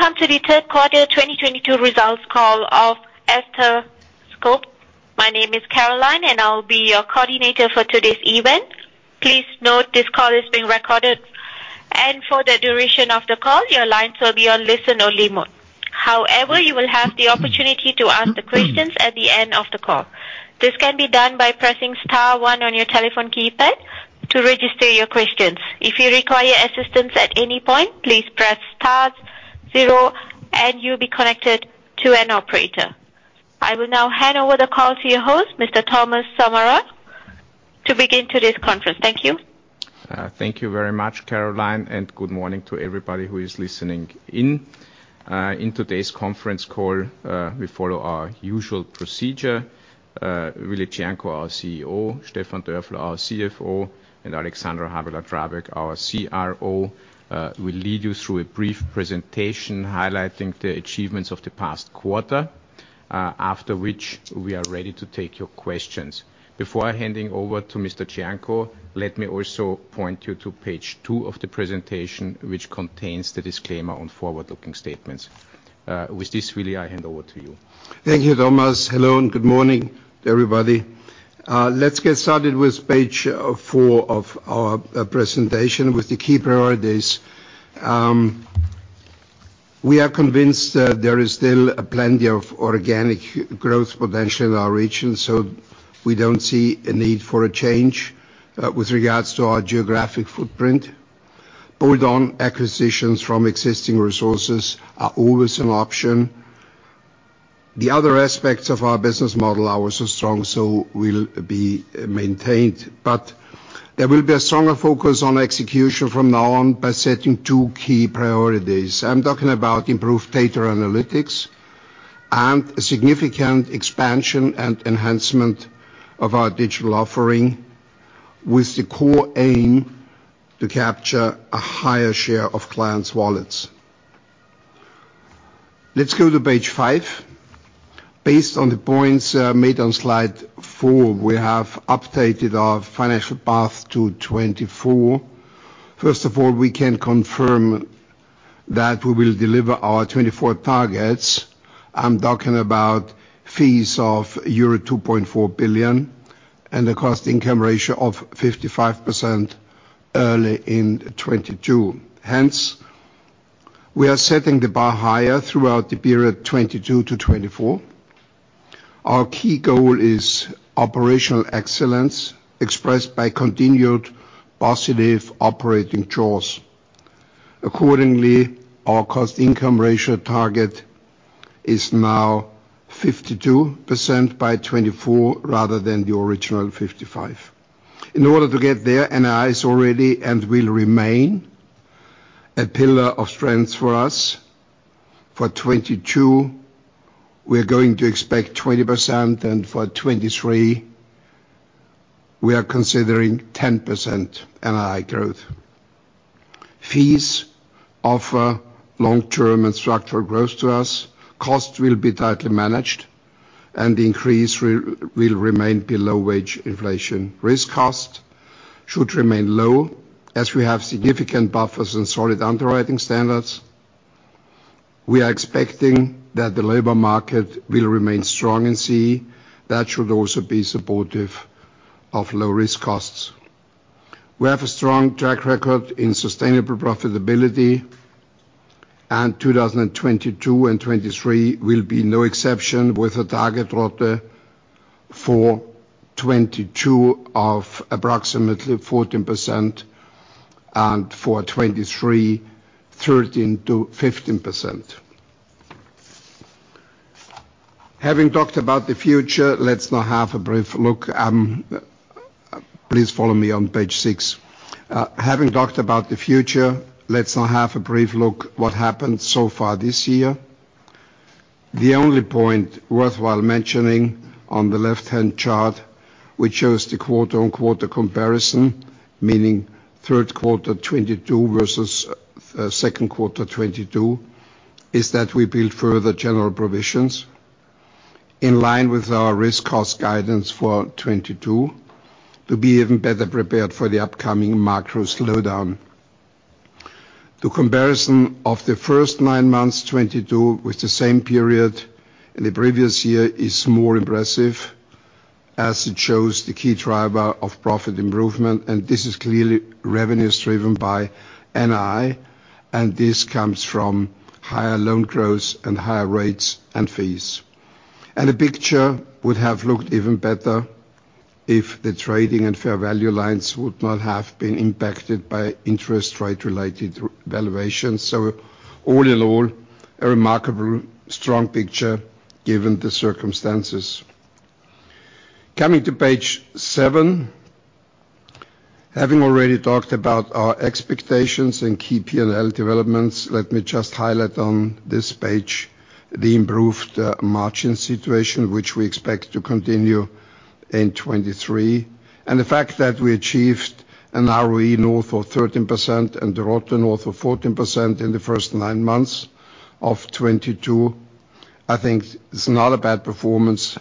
Welcome to the third quarter 2022 results call of Erste Group. My name is Caroline, and I'll be your coordinator for today's event. Please note this call is being recorded. For the duration of the call, your lines will be on listen only mode. However, you will have the opportunity to ask the questions at the end of the call. This can be done by pressing star one on your telephone keypad to register your questions. If you require assistance at any point, please press star zero and you'll be connected to an operator. I will now hand over the call to your host, Mr. Thomas Sommerauer, to begin today's conference. Thank you. Thank you very much, Caroline, and good morning to everybody who is listening in. In today's conference call, we follow our usual procedure. Willi Cernko, our CEO, Stefan Dörfler, our CFO, and Alexandra Habeler-Drabek, our CRO, will lead you through a brief presentation highlighting the achievements of the past quarter, after which we are ready to take your questions. Before handing over to Mr. Cernko, let me also point you to page two of the presentation, which contains the disclaimer on forward-looking statements. With this, Willy, I hand over to you. Thank you, Thomas. Hello, and good morning, everybody. Let's get started with page four of our presentation with the key priorities. We are convinced that there is still a plenty of organic growth potential in our region, so we don't see a need for a change with regards to our geographic footprint. Bolt-on acquisitions from existing resources are always an option. The other aspects of our business model are also strong, so will be maintained. There will be a stronger focus on execution from now on by setting two key priorities. I'm talking about improved data analytics and significant expansion and enhancement of our digital offering with the core aim to capture a higher share of clients' wallets. Let's go to page five. Based on the points made on slide four, we have updated our financial path to 2024. First of all, we can confirm that we will deliver our 2024 targets. I'm talking about fees of euro 2.4 billion and the cost-income ratio of 55% early in 2022. Hence, we are setting the bar higher throughout the period 2022-2024. Our key goal is operational excellence expressed by continued positive operating jaws. Accordingly, our cost-income ratio target is now 52% by 2024 rather than the original 55%. In order to get there, NII is already and will remain a pillar of strength for us. For 2022, we're going to expect 20%, and for 2023, we are considering 10% NII growth. Fees offer long-term and structural growth to us. Costs will be tightly managed, and the increase will remain below wage inflation. Risk costs should remain low as we have significant buffers and solid underwriting standards. We are expecting that the labor market will remain strong in CEE. That should also be supportive of low risk costs. We have a strong track record in sustainable profitability, and 2022 and 2023 will be no exception with a target ROTE for 2022 of approximately 14% and for 2023, 13%-15%. Having talked about the future, let's now have a brief look what happened so far this year. Please follow me on page six. The only point worthwhile mentioning on the left-hand chart, which shows the quarter-on-quarter comparison, meaning third quarter 2022 versus second quarter 2022, is that we build further general provisions in line with our risk cost guidance for 2022 to be even better prepared for the upcoming macro slowdown. The comparison of the first nine months, 2022, with the same period in the previous year is more impressive as it shows the key driver of profit improvement, and this is clearly revenues driven by NII, and this comes from higher loan growth and higher rates and fees. The picture would have looked even better if the trading and fair value lines would not have been impacted by interest rate-related valuations. All in all, a remarkable strong picture given the circumstances. Coming to page seven. Having already talked about our expectations and key P&L developments, let me just highlight on this page the improved margin situation which we expect to continue in 2023, and the fact that we achieved an ROE north of 13% and ROTE north of 14% in the first nine months of 2022, I think it's not a bad performance.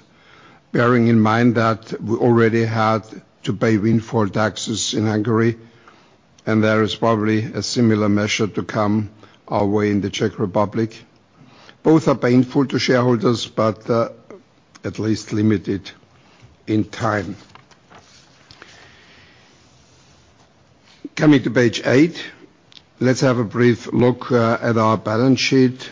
Bearing in mind that we already had to pay windfall taxes in Hungary, and there is probably a similar measure to come our way in the Czech Republic. Both are painful to shareholders, but at least limited in time. Coming to page eight, let's have a brief look at our balance sheet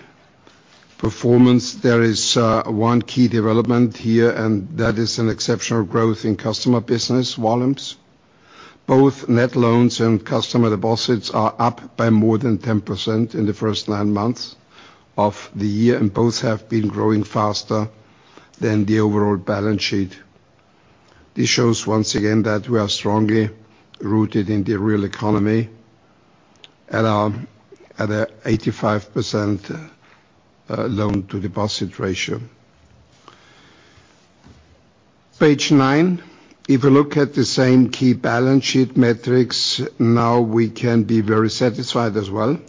performance. There is one key development here, and that is an exceptional growth in customer business volumes. Both net loans and customer deposits are up by more than 10% in the first 9 months of the year, and both have been growing faster than the overall balance sheet. This shows once again that we are strongly rooted in the real economy at a 85% loan-to-deposit ratio. Page nine. If you look at the same key balance sheet metrics, now we can be very satisfied as well.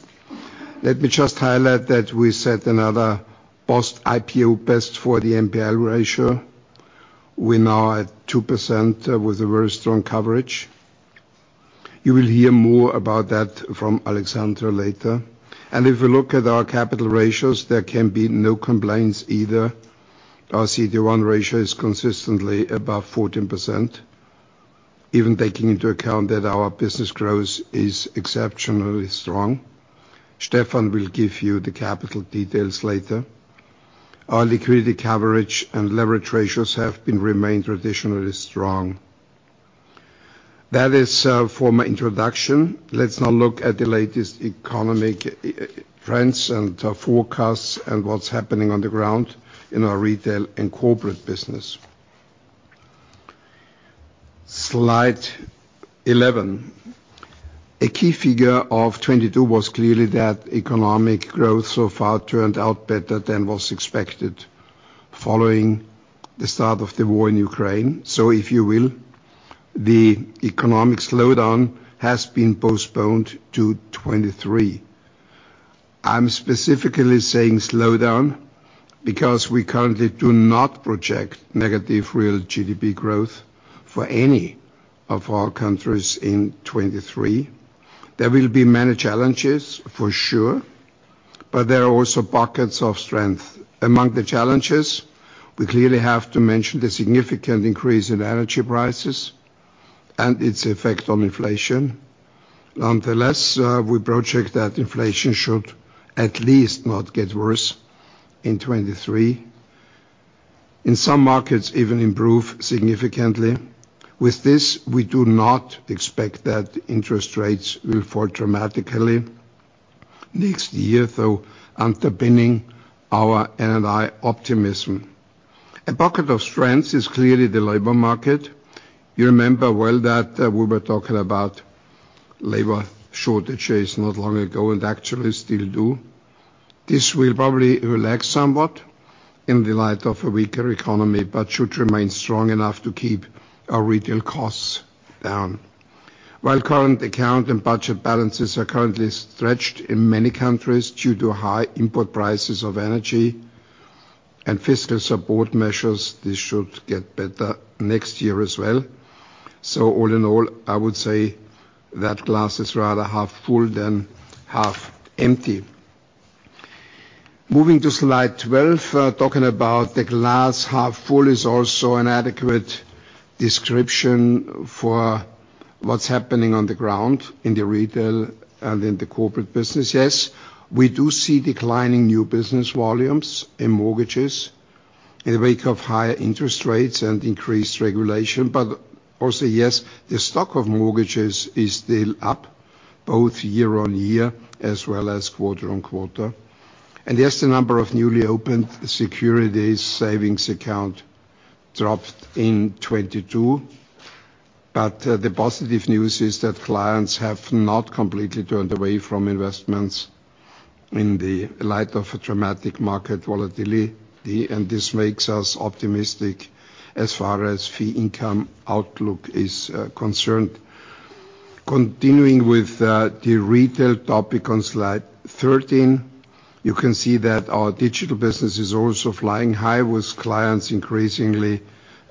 Let me just highlight that we set another post-IPO best for the NPL ratio. We're now at 2% with a very strong coverage. You will hear more about that from Alexandra later. If you look at our capital ratios, there can be no complaints either. Our CET1 ratio is consistently above 14%, even taking into account that our business growth is exceptionally strong. Stefan will give you the capital details later. Our liquidity coverage and leverage ratios have been remained traditionally strong. That is, for my introduction. Let's now look at the latest economic trends and forecasts and what's happening on the ground in our retail and corporate business. Slide 11. A key figure of 2022 was clearly that economic growth so far turned out better than was expected following the start of the war in Ukraine. If you will, the economic slowdown has been postponed to 2023. I'm specifically saying slowdown because we currently do not project negative real GDP growth for any of our countries in 2023. There will be many challenges for sure, but there are also pockets of strength. Among the challenges, we clearly have to mention the significant increase in energy prices and its effect on inflation. Nonetheless, we project that inflation should at least not get worse in 2023. In some markets, even improve significantly. With this, we do not expect that interest rates will fall dramatically next year, though, underpinning our NII optimism. A pocket of strengths is clearly the labor market. You remember well that we were talking about labor shortages not long ago and actually still do. This will probably relax somewhat in the light of a weaker economy, but should remain strong enough to keep our retail costs down. While current account and budget balances are currently stretched in many countries due to high input prices of energy and fiscal support measures, this should get better next year as well. All in all, I would say that glass is rather half full than half empty. Moving to slide 12, talking about the glass half full is also an adequate description for what's happening on the ground in the retail and in the corporate business. Yes, we do see declining new business volumes in mortgages in the wake of higher interest rates and increased regulation. Also, yes, the stock of mortgages is still up both year-over-year as well as quarter-over-quarter. Yes, the number of newly opened securities savings account dropped in 2022. The positive news is that clients have not completely turned away from investments in the light of a dramatic market volatility, and this makes us optimistic as far as fee income outlook is concerned. Continuing with the retail topic on slide 13, you can see that our digital business is also flying high with clients increasingly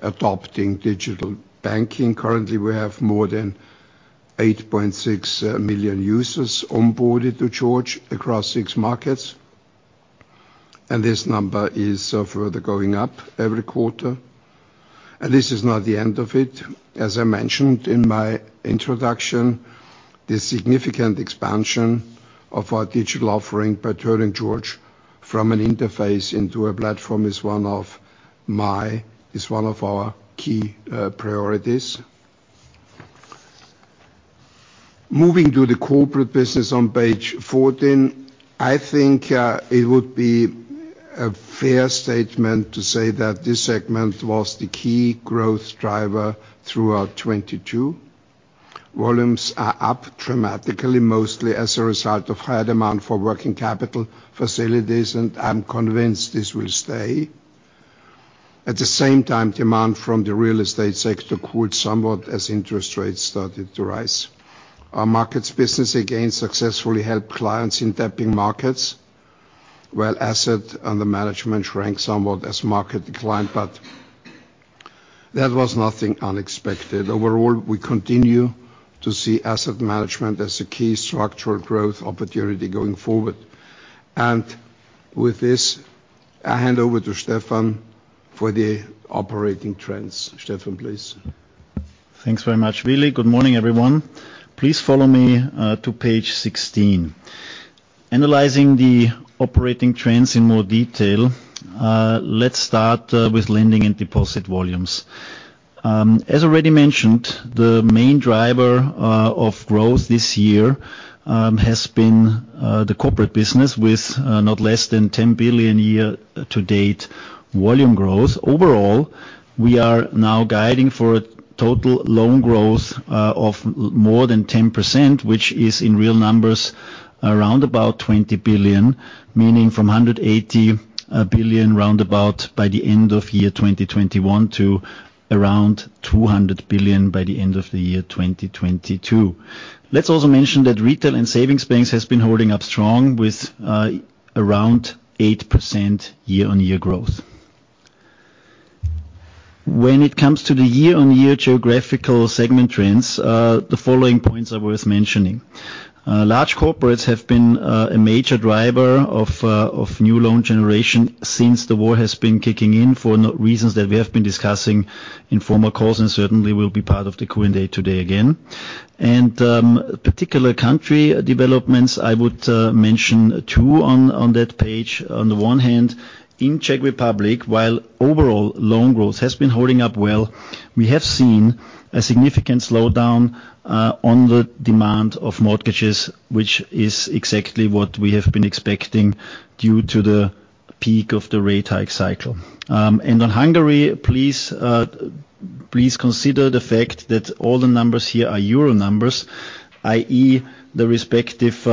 adopting digital banking. Currently, we have more than 8.6 million users onboarded to George across six markets, and this number is further going up every quarter. This is not the end of it. As I mentioned in my introduction, the significant expansion of our digital offering by turning George from an interface into a platform is one of our key priorities. Moving to the corporate business on page 14, I think it would be a fair statement to say that this segment was the key growth driver throughout 2022. Volumes are up dramatically, mostly as a result of high demand for working capital facilities, and I'm convinced this will stay. At the same time, demand from the real estate sector cooled somewhat as interest rates started to rise. Our markets business again successfully helped clients in tapping markets. Well, Assets under management shrank somewhat as market declined, but that was nothing unexpected. Overall, we continue to see asset management as a key structural growth opportunity going forward. With this, I hand over to Stefan for the operating trends. Stefan, please. Thanks very much, Willi Cernko. Good morning, everyone. Please follow me to page sixteen. Analyzing the operating trends in more detail, let's start with lending and deposit volumes. As already mentioned, the main driver of growth this year has been the corporate business with not less than 10 billion year to date volume growth. Overall, we are now guiding for total loan growth of more than 10%, which is in real numbers around about 20 billion, meaning from 180 billion around about by the end of year 2021 to around 200 billion by the end of the year 2022. Let's also mention that retail and savings banks has been holding up strong with around 8% year-on-year growth. When it comes to the year-on-year geographical segment trends, the following points are worth mentioning. Large corporates have been a major driver of new loan generation since the war has been kicking in for reasons that we have been discussing in former calls and certainly will be part of the Q&A today again. Particular country developments, I would mention two on that page. On the one hand, in Czech Republic, while overall loan growth has been holding up well, we have seen a significant slowdown on the demand for mortgages, which is exactly what we have been expecting due to the peak of the rate hike cycle. On Hungary, please consider the fact that all the numbers here are euro numbers, i.e., the respective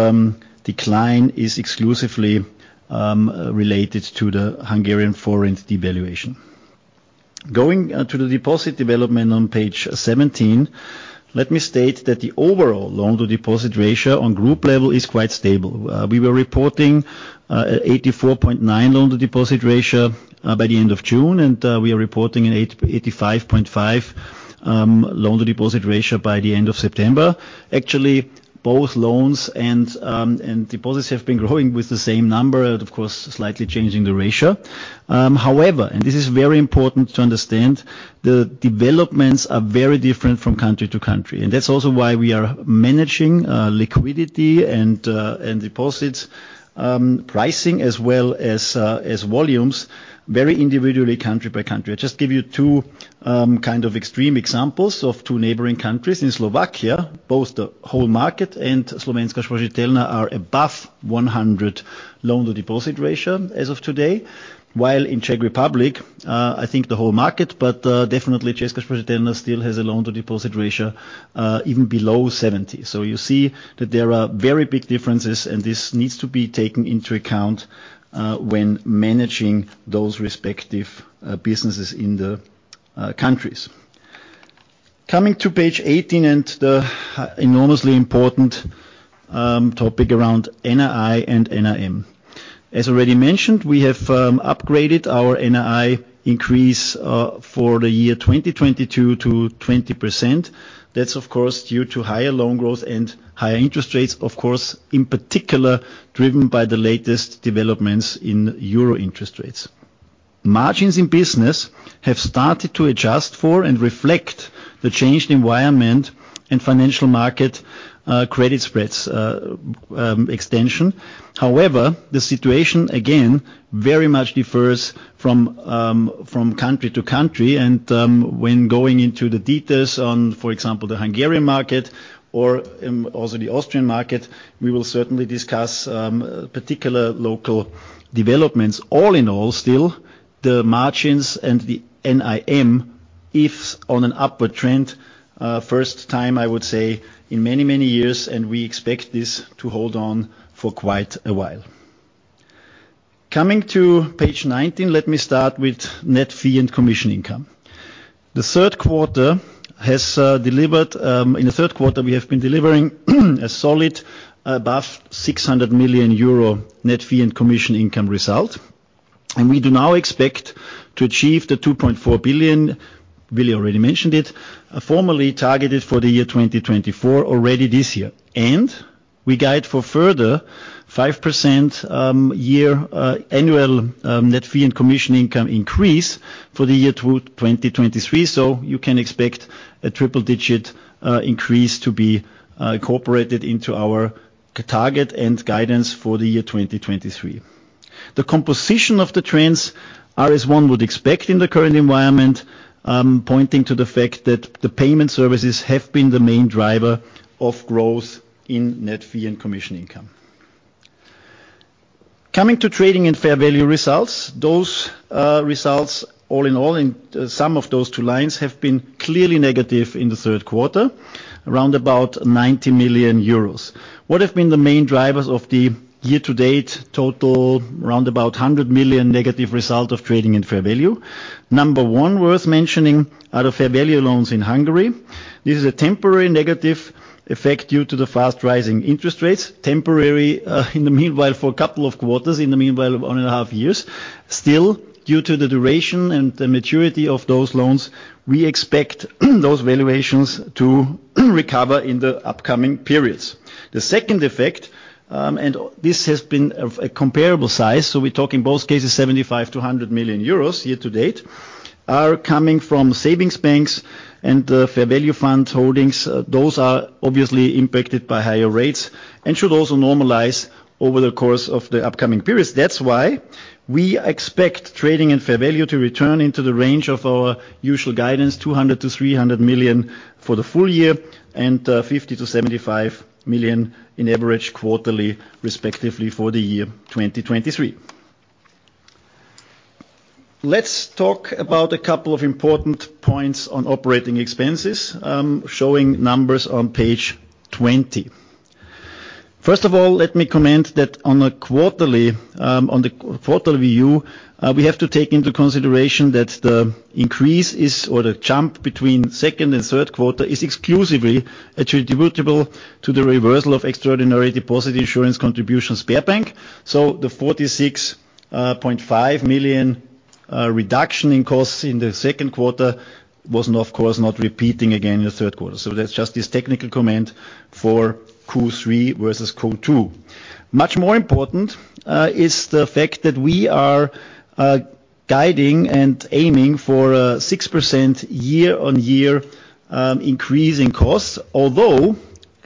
decline is exclusively related to the Hungarian forint devaluation. Going to the deposit development on page 17, let me state that the overall loan-to-deposit ratio on group level is quite stable. We were reporting 84.9% loan-to-deposit ratio by the end of June, and we are reporting an 85.5% loan-to-deposit ratio by the end of September. Actually, both loans and deposits have been growing with the same number and, of course, slightly changing the ratio. However, this is very important to understand, the developments are very different from country to country, and that's also why we are managing liquidity and deposits pricing as well as volumes, very individually country by country. I just give you two kind of extreme examples of two neighboring countries. In Slovakia, both the whole market and Slovenská sporiteľňa are above 100% loan-to-deposit ratio as of today. While in Czech Republic, I think the whole market, but definitely Česká spořitelna still has a loan-to-deposit ratio even below 70%. You see that there are very big differences, and this needs to be taken into account when managing those respective businesses in the countries. Coming to page 18 and the enormously important topic around NII and NIM. As already mentioned, we have upgraded our NII increase for the year 2022 to 20%. That's of course due to higher loan growth and higher interest rates, of course, in particular, driven by the latest developments in euro interest rates. Margins in business have started to adjust for and reflect the changed environment and financial market credit spreads extension. However, the situation, again, very much differs from country to country. When going into the details on, for example, the Hungarian market or also the Austrian market, we will certainly discuss particular local developments. All in all, still, the margins and the NIM is on an upward trend, first time, I would say, in many, many years, and we expect this to hold on for quite a while. Coming to page 19, let me start with net fee and commission income. The third quarter has delivered in the third quarter, we have been delivering a solid above 600 million euro net fee and commission income result. We do now expect to achieve the 2.4 billion, Willy already mentioned it, formerly targeted for the year 2024 already this year. We guide for further 5% annual net fee and commission income increase for the year 2023. You can expect a triple-digit increase to be incorporated into our target and guidance for the year 2023. The composition of the trends are as one would expect in the current environment, pointing to the fact that the payment services have been the main driver of growth in net fee and commission income. Coming to trading and fair value results. Those results all in all in sum of those two lines have been clearly negative in the third quarter, around 90 million euros. What have been the main drivers of the year to date total around 100 million negative result of trading and fair value? Number one worth mentioning are the fair value loans in Hungary. This is a temporary negative effect due to the fast rising interest rates. Temporary, in the meanwhile, for a couple of quarters, in the meanwhile of one and a half years. Still, due to the duration and the maturity of those loans, we expect those valuations to recover in the upcoming periods. The second effect, and this has been of a comparable size, so we talk in both cases 75 million-100 million euros year to date, are coming from savings banks and, fair value fund holdings. Those are obviously impacted by higher rates and should also normalize over the course of the upcoming periods. That's why we expect trading and fair value to return into the range of our usual guidance, 200-300 million for the full year, and, fifty to seventy-five million on average quarterly, respectively, for the year 2023. Let's talk about a couple of important points on operating expenses, showing numbers on page 20. First of all, let me comment that on the quarterly view, we have to take into consideration that the increase is, or the jump between second and third quarter is exclusively attributable to the reversal of extraordinary deposit insurance contributions savings bank. So the 46.5 million reduction in costs in the second quarter was, of course, not repeating again in the third quarter. So that's just this technical comment for Q3 versus Q2. Much more important is the fact that we are guiding and aiming for a 6% year-on-year increase in costs, although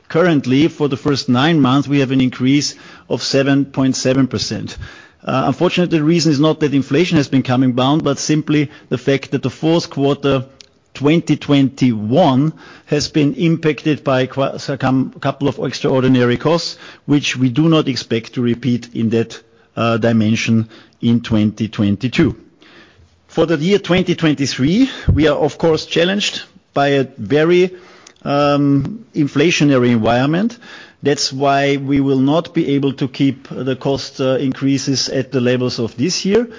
currently for the first nine months we have an increase of 7.7%. Unfortunately, the reason is not that inflation has been coming down, but simply the fact that the fourth quarter 2021 has been impacted by some couple of extraordinary costs, which we do not expect to repeat in that dimension in 2022. For the year 2023, we are of course challenged by a very inflationary environment. That's why we will not be able to keep the cost increases at the levels of this year.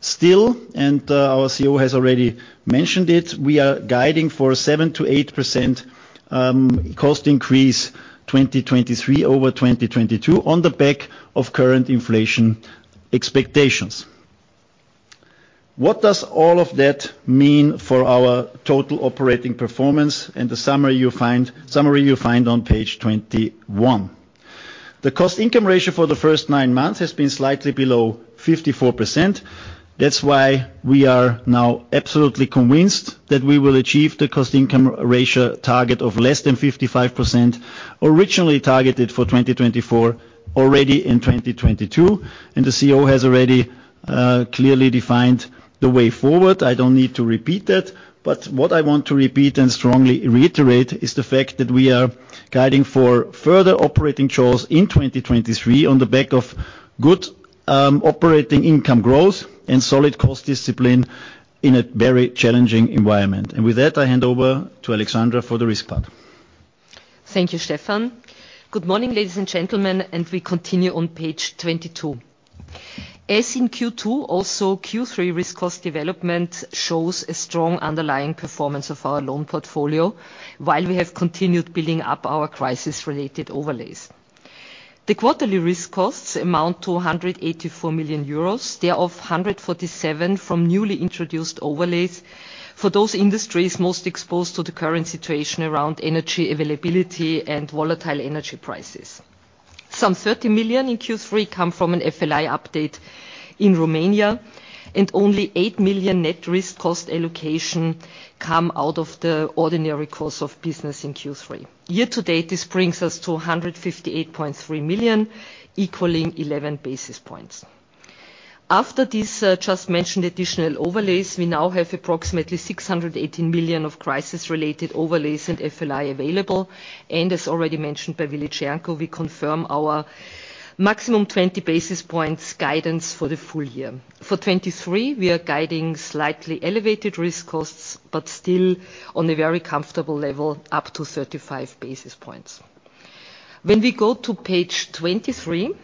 Still, our CEO has already mentioned it. We are guiding for 7%-8% cost increase 2023 over 2022 on the back of current inflation expectations. What does all of that mean for our total operating performance? The summary you find on page 21. The cost-income ratio for the first nine months has been slightly below 54%. That's why we are now absolutely convinced that we will achieve the cost-income ratio target of less than 55% originally targeted for 2024, already in 2022. The CEO has already clearly defined the way forward. I don't need to repeat that, but what I want to repeat and strongly reiterate is the fact that we are guiding for further operating jaws in 2023 on the back of good, operating income growth and solid cost discipline in a very challenging environment. With that, I hand over to Alexandra for the risk part. Thank you, Stefan. Good morning, ladies and gentlemen, and we continue on page 22. As in Q2, also Q3 risk cost development shows a strong underlying performance of our loan portfolio while we have continued building up our crisis-related overlays. The quarterly risk costs amount to 184 million euros. They are of 147 million from newly introduced overlays for those industries most exposed to the current situation around energy availability and volatile energy prices. Some 30 million in Q3 come from an FLI update in Romania, and only 8 million net risk cost allocation come out of the ordinary course of business in Q3. Year to date, this brings us to 158.3 million, equaling 11 basis points. After this, just mentioned additional overlays, we now have approximately 618 million of crisis-related overlays and FLI available. As already mentioned by Willi Cernko, we confirm our maximum 20 basis points guidance for the full year. For 2023, we are guiding slightly elevated risk costs, but still on a very comfortable level, up to 35 basis points. When we go to page 23,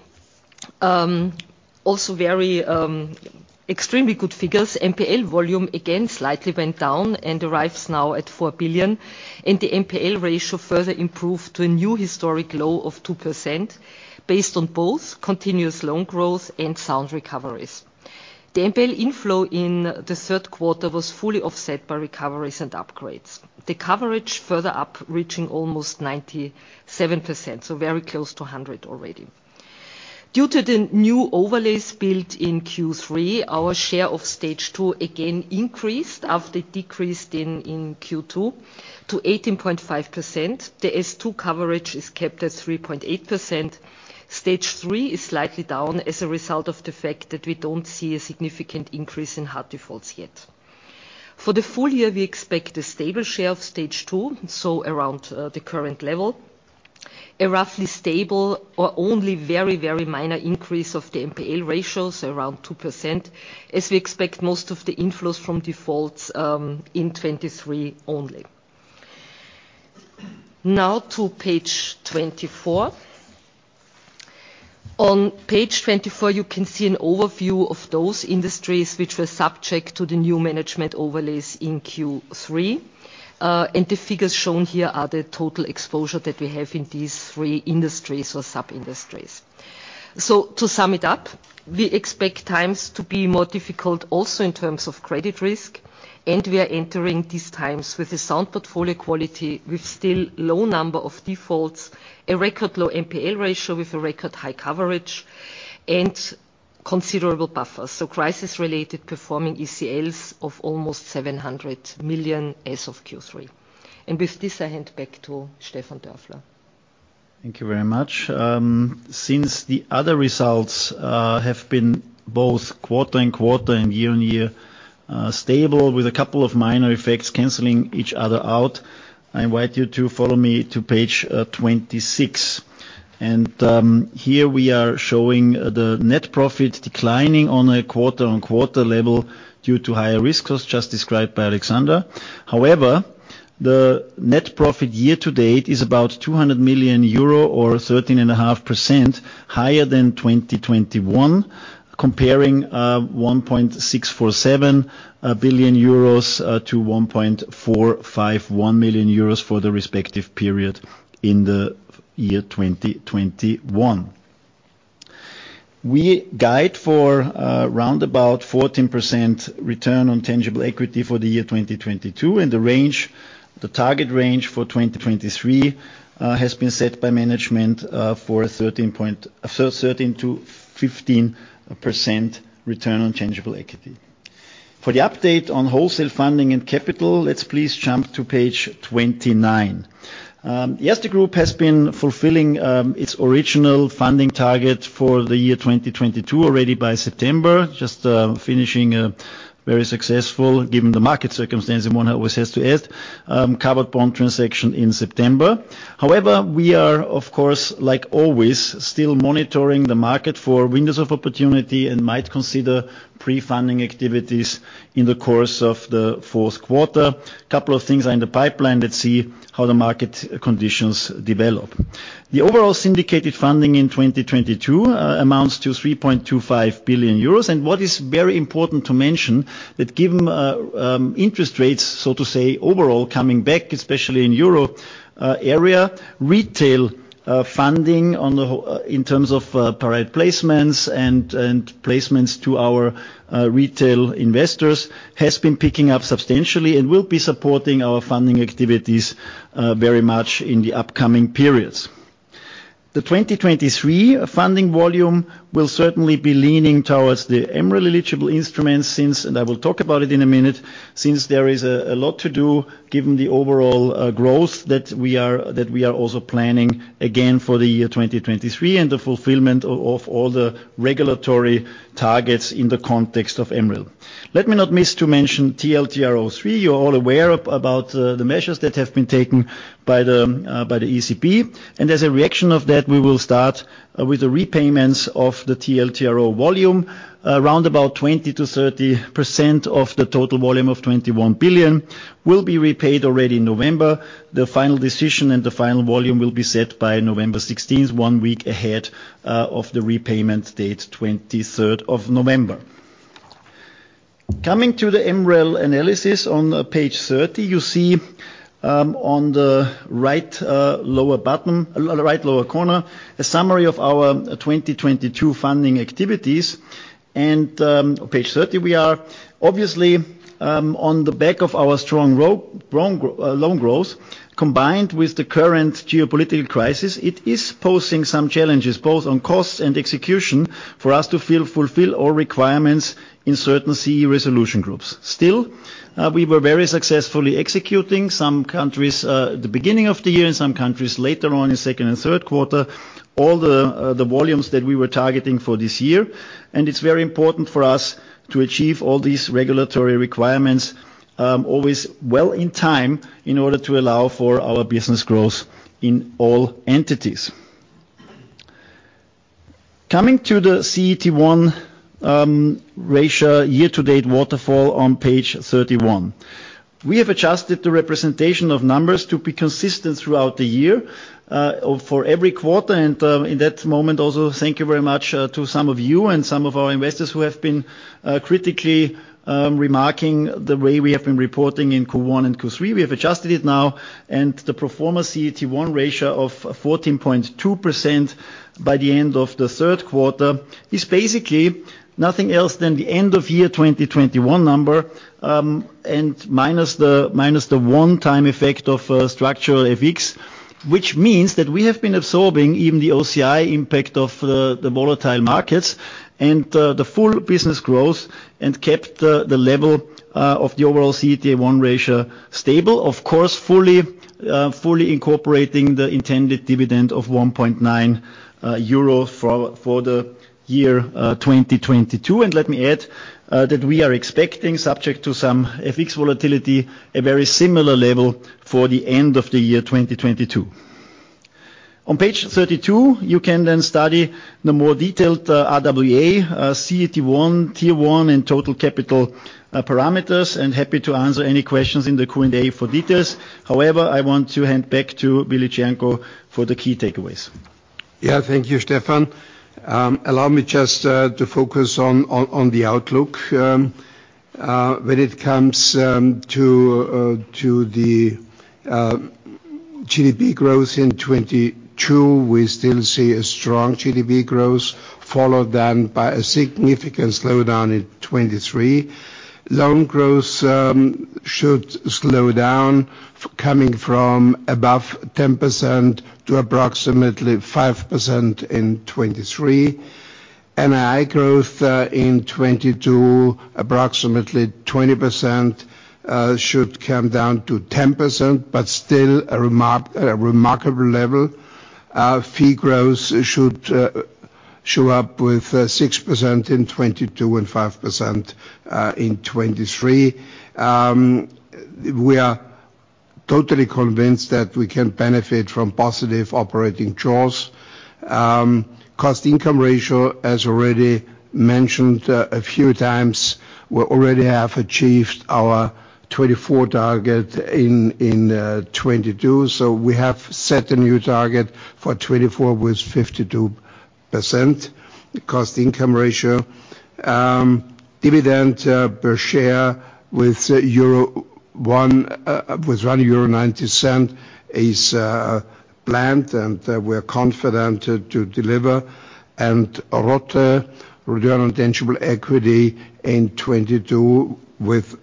also very, extremely good figures. NPL volume again slightly went down and arrives now at 4 billion, and the NPL ratio further improved to a new historic low of 2% based on both continuous loan growth and sound recoveries. The NPL inflow in the third quarter was fully offset by recoveries and upgrades. The coverage further up, reaching almost 97%, so very close to 100 already. Due to the new overlays built in Q3, our share of Stage two again increased after it decreased in Q2 to 18.5%. The S2 coverage is kept at 3.8%. Stage three is slightly down as a result of the fact that we don't see a significant increase in hard defaults yet. For the full year, we expect a stable share of Stage two, so around the current level. A roughly stable or only very, very minor increase of the NPL ratios around 2% as we expect most of the inflows from defaults in 2023 only. Now to page 24. On page 24, you can see an overview of those industries which were subject to the new management overlays in Q3. The figures shown here are the total exposure that we have in these three industries or sub-industries. To sum it up, we expect times to be more difficult also in terms of credit risk, and we are entering these times with a sound portfolio quality, with still low number of defaults, a record low NPL ratio with a record high coverage and considerable buffers. Crisis-related performing ECLs of almost 700 million as of Q3. With this, I hand back to Stefan Dörfler. Thank you very much. Since the other results have been both quarter-on-quarter and year-on-year stable with a couple of minor effects canceling each other out, I invite you to follow me to page 26. Here we are showing the net profit declining on a quarter-on-quarter level due to higher risk costs just described by Alexandra. However, the net profit year to date is about 200 million euro or 13.5% higher than 2021, comparing 1.647 billion euros to 1.451 billion euros for the respective period in the year 2021. We guide for around 14% return on tangible equity for the year 2022, and the range, the target range for 2023, has been set by management for 13%-15% return on tangible equity. For the update on wholesale funding and capital, let's please jump to page 29. The Erste Group has been fulfilling its original funding target for the year 2022 already by September, just finishing a very successful given the market circumstances, and one always has to add covered bond transaction in September. However, we are of course as always still monitoring the market for windows of opportunity and might consider pre-funding activities in the course of the fourth quarter. Couple of things are in the pipeline. Let's see how the market conditions develop. The overall syndicated funding in 2022 amounts to 3.25 billion euros. What is very important to mention that given interest rates, so to say, overall coming back, especially in euro area, retail funding in terms of private placements and placements to our retail investors has been picking up substantially and will be supporting our funding activities very much in the upcoming periods. The 2023 funding volume will certainly be leaning towards the MREL-eligible instruments since, and I will talk about it in a minute, since there is a lot to do given the overall growth that we are also planning again for the year 2023 and the fulfillment of all the regulatory targets in the context of MREL. Let me not miss to mention TLTRO III. You're all aware about the measures that have been taken by the ECB. As a reaction to that, we will start with the repayments of the TLTRO volume. Around 20%-30% of the total volume of 21 billion will be repaid already in November. The final decision and the final volume will be set by November 16th, one week ahead of the repayment date, 23rd of November. Coming to the MREL analysis on page 30, you see on the right lower corner a summary of our 2022 funding activities. Page 30, we are obviously on the back of our strong loan growth, combined with the current geopolitical crisis, it is posing some challenges, both on costs and execution, for us to fill. Fulfill all requirements in certain CE resolution groups. Still, we were very successfully executing some countries, at the beginning of the year and some countries later on in second and third quarter, all the volumes that we were targeting for this year. It's very important for us to achieve all these regulatory requirements, always well in time in order to allow for our business growth in all entities. Coming to the CET1 ratio year to date waterfall on page 31. We have adjusted the representation of numbers to be consistent throughout the year, or for every quarter. In that moment, also thank you very much, to some of you and some of our investors who have been, critically, remarking the way we have been reporting in Q1 and Q3. We have adjusted it now, and the pro forma CET1 ratio of 14.2% by the end of the third quarter is basically nothing else than the end of year 2021 number, and minus the one-time effect of structural FX. Which means that we have been absorbing even the OCI impact of the volatile markets and the full business growth and kept the level of the overall CET1 ratio stable. Of course, fully incorporating the intended dividend of 1.9 euros for the year 2022. Let me add that we are expecting, subject to some FX volatility, a very similar level for the end of the year 2022. On page 32, you can then study the more detailed RWA, CET1, Tier 1, and total capital parameters, and happy to answer any questions in the Q&A for details. However, I want to hand back to Willi Cernko for the key takeaways. Yeah. Thank you, Stefan. Allow me just to focus on the outlook. When it comes to the GDP growth in 2022, we still see a strong GDP growth, followed then by a significant slowdown in 2023. Loan growth should slow down coming from above 10% to approximately 5% in 2023. NII growth in 2022, approximately 20%, should come down to 10%, but still a remarkable level. Our fee growth should show up with 6% in 2022 and 5% in 2023. We are totally convinced that we can benefit from positive operating jaws. Cost-income ratio, as already mentioned a few times, we already have achieved our 2024 target in 2022, so we have set a new target for 2024, with 52% cost-income ratio. Dividend per share with 1.90 euro is planned, and we're confident to deliver. ROTE, return on tangible equity in 2022 with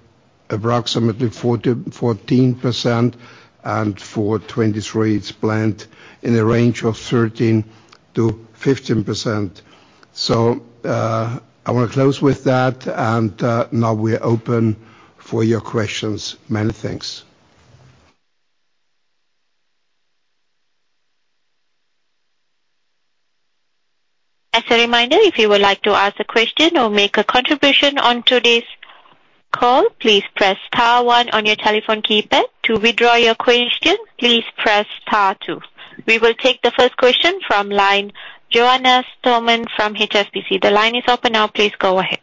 approximately 14%, and for 2023 it's planned in the range of 13%-15%. I wanna close with that, and now we're open for your questions. Many thanks. As a reminder, if you would like to ask a question or make a contribution on today's call, please press star one on your telephone keypad. To withdraw your question, please press star two. We will take the first question from line Johannes Thormann from HSBC. The line is open now. Please go ahead.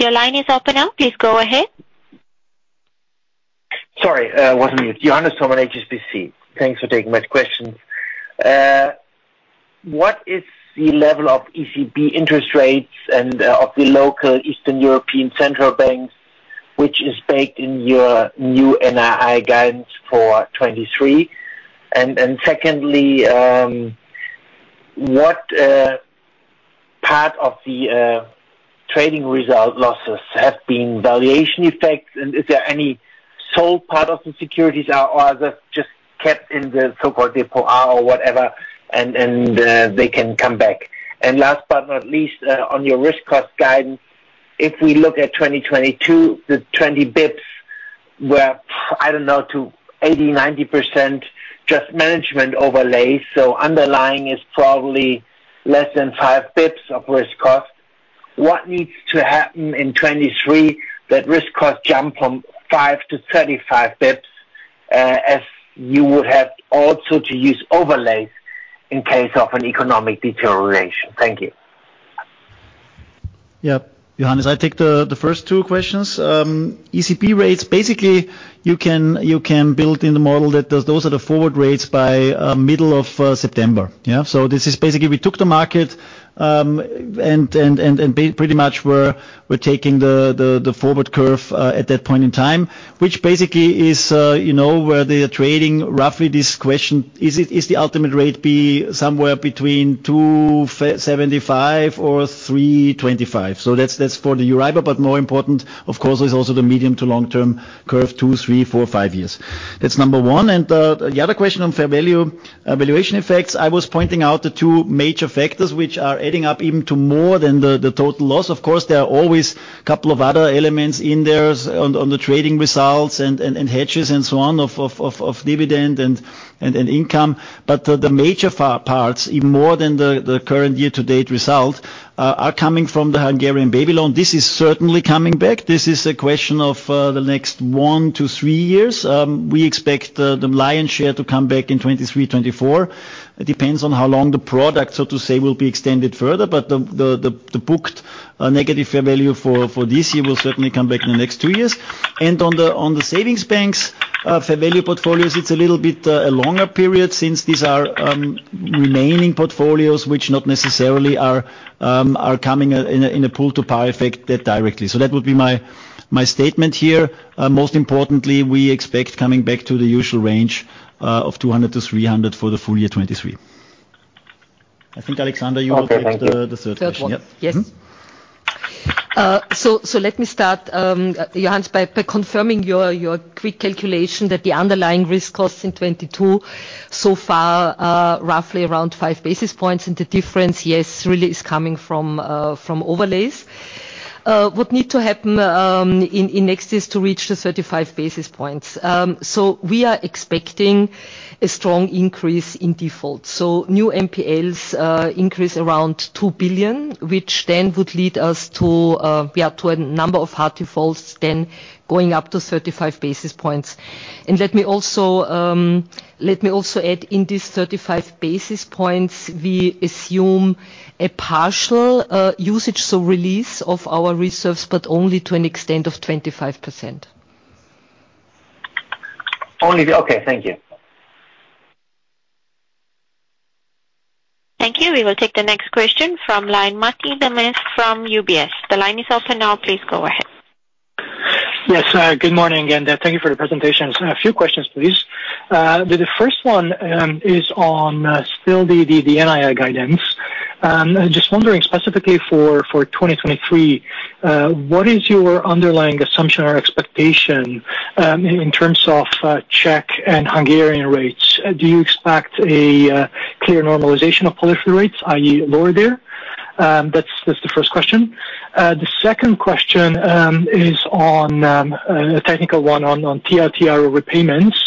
Your line is open now. Please go ahead. Sorry, I was on mute. Johannes Thormann, HSBC. Thanks for taking my questions. What is the level of ECB interest rates and of the local Eastern European central banks, which is baked in your new NII guidance for 2023? Secondly, what part of the trading result losses have been valuation effects, and is there any sold part of the securities or are they just kept in the so-called or R or whatever and they can come back. Last but not least, on your risk cost guidance, if we look at 2022, the 20 bps were, I don't know, 80%-90% just management overlay. So underlying is probably less than 5 bps of risk cost. What needs to happen in 2023 that risk cost jump from 5 to 35 bps, as you would also have to use overlays in case of an economic deterioration? Thank you. Yeah. Johannes, I take the first two questions. ECB rates, basically you can build in the model that those are the forward rates by middle of September. Yeah? This is basically we took the market, and pretty much we're taking the forward curve at that point in time, which basically is, you know, where they are trading. Roughly this question, is the ultimate rate be somewhere between 2.75% or 3.25%? That's for the Euribor. More important, of course, is also the medium- to long-term curve, two, three, four, five years. That's number one. The other question on fair value valuation effects, I was pointing out the 2 major factors which are adding up even to more than the total loss. Of course, there are always couple of other elements in there on the trading results and hedges and so on of dividend and income. The major parts, even more than the current year to date result, are coming from the Hungarian baby loan. This is certainly coming back. This is a question of the next one to three years. We expect the lion's share to come back in 2023, 2024. It depends on how long the product, so to say, will be extended further. The booked negative fair value for this year will certainly come back in the next two years. On the savings banks' fair value portfolios, it's a little bit a longer period since these are remaining portfolios which not necessarily are coming in a pull to par effect that directly. That would be my statement here. Most importantly, we expect coming back to the usual range of 200-300 for the full year 2023. I think, Alexandra, you will take the third one. Third one. Yeah. Mm-hmm. Yes. So let me start, Johannes, by confirming your quick calculation that the underlying risk costs in 2022 so far are roughly around 5 basis points. The difference, yes, really is coming from overlays. What need to happen in next is to reach the 35 basis points. We are expecting a strong increase in defaults. New NPLs increase around 2 billion, which then would lead us to a number of hard defaults then going up to 35 basis points. Let me also add in these 35 basis points, we assume a partial usage, so release of our reserves, but only to an extent of 25%. Okay, thank you. Thank you. We will take the next question from line Máté Nemes from UBS. The line is open now. Please go ahead. Yes, good morning, and thank you for the presentations. A few questions, please. The first one is on still the NII guidance. Just wondering specifically for 2023, what is your underlying assumption or expectation in terms of Czech and Hungarian rates? Do you expect a clear normalization of policy rates, i.e. lower there? That's the first question. The second question is on a technical one on TLTRO repayments.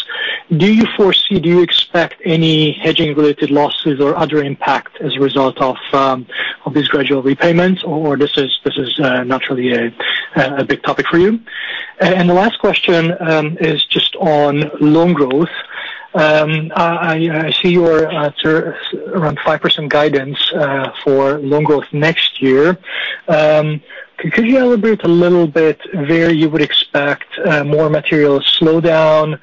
Do you expect any hedging-related losses or other impact as a result of these gradual repayments, or this is not really a big topic for you? The last question is just on loan growth. I see your around 5% guidance for loan growth next year. Could you elaborate a little bit where you would expect more material slowdown,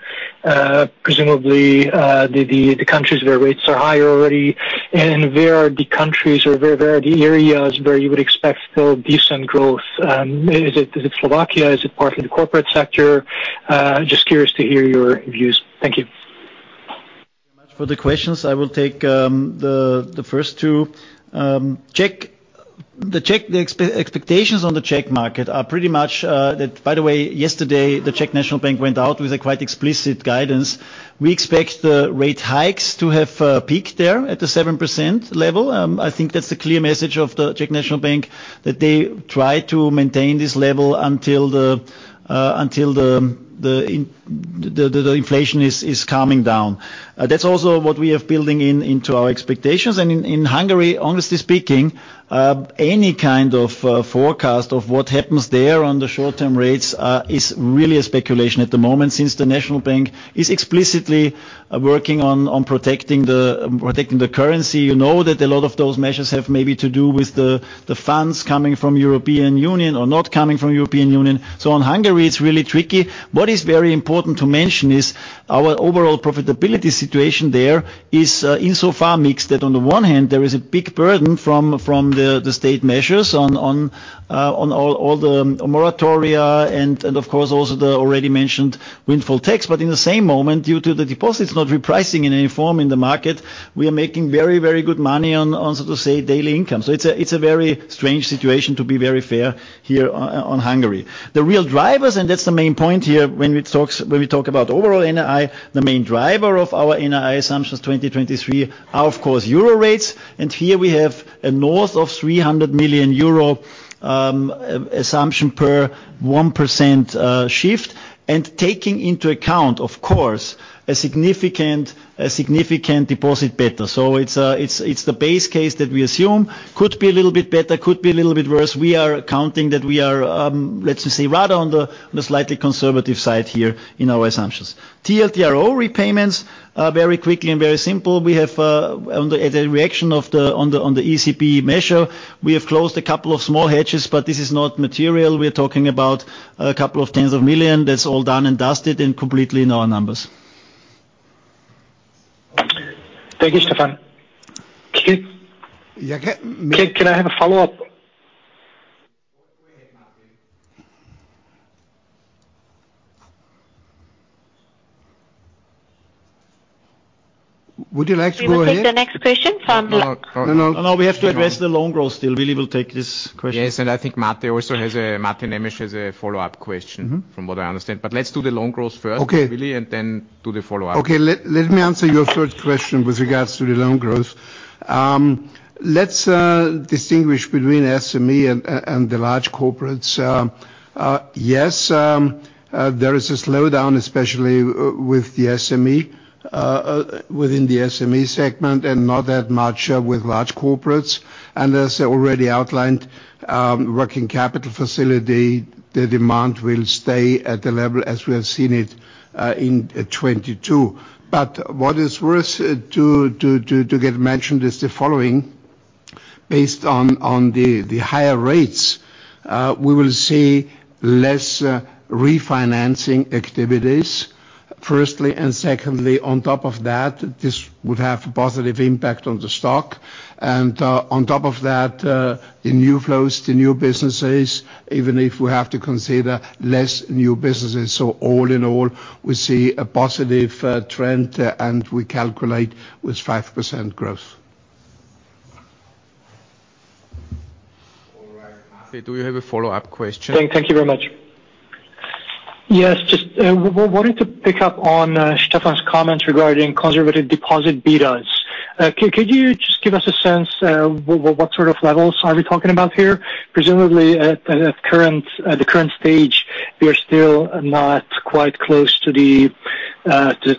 presumably the countries where rates are higher already, and where are the countries or where are the areas where you would expect still decent growth? Is it Slovakia? Is it partly the corporate sector? Just curious to hear your views. Thank you. Thank you very much for the questions. I will take the first two. The expectations on the Czech market are pretty much that. By the way, yesterday, the Czech National Bank went out with a quite explicit guidance. We expect the rate hikes to have peaked there at the 7% level. I think that's the clear message of the Czech National Bank, that they try to maintain this level until the inflation is calming down. That's also what we are building into our expectations. In Hungary, honestly speaking, any kind of forecast of what happens there on the short-term rates is really a speculation at the moment since the National Bank is explicitly working on protecting the currency. You know that a lot of those measures have maybe to do with the funds coming from European Union or not coming from European Union. On Hungary, it's really tricky. What is very important to mention is our overall profitability situation there is insofar mixed that on the one hand, there is a big burden from the state measures on all the moratoria and of course, also the already mentioned windfall tax. In the same moment, due to the deposits not repricing in any form in the market, we are making very, very good money on so to say, daily income. It's a very strange situation, to be very fair, here on Hungary. The real drivers, and that's the main point here when we talk about overall NII, the main driver of our NII assumptions 2023 are, of course, euro rates. Here we have north of 300 million euro assumption per 1% shift. Taking into account, of course, a significant deposit beta. It's the base case that we assume could be a little bit better, could be a little bit worse. We are accounting that we are, let's just say, rather on the slightly conservative side here in our assumptions. TLTRO repayments are very quickly and very simple. We have, on the ECB measure, closed a couple of small hedges, but this is not material. We're talking about a couple of tens of millions. That's all done and dusted and completely in our numbers. Thank you, Stefan. Okay. Yeah. Can I have a follow-up? Go ahead, Máté. Would you like to go ahead? We will take the next question from. No, no. No, no, we have to address the loan growth still. Willy will take this question. Yes, I think Máté Nemes has a follow-up question. Mm-hmm From what I understand. Let's do the loan growth first. Okay. Willi Cernko, then do the follow-up. Okay. Let me answer your first question with regards to the loan growth. Let's distinguish between SME and the large corporates. Yes, there is a slowdown, especially with the SME within the SME segment and not that much with large corporates. As already outlined, working capital facility, the demand will stay at the level as we have seen it in 2022. What is worth to get mentioned is the following. Based on the higher rates, we will see less refinancing activities, firstly and secondly, on top of that, this would have a positive impact on the stock. On top of that, the new flows to new businesses, even if we have to consider less new businesses. All in all, we see a positive trend, and we calculate with 5% growth. All right. Okay, do we have a follow-up question? Thank you very much. Yes. Just wanted to pick up on Stefan's comments regarding conservative deposit betas. Could you just give us a sense what sort of levels are we talking about here? Presumably at the current stage, we are still not quite close to the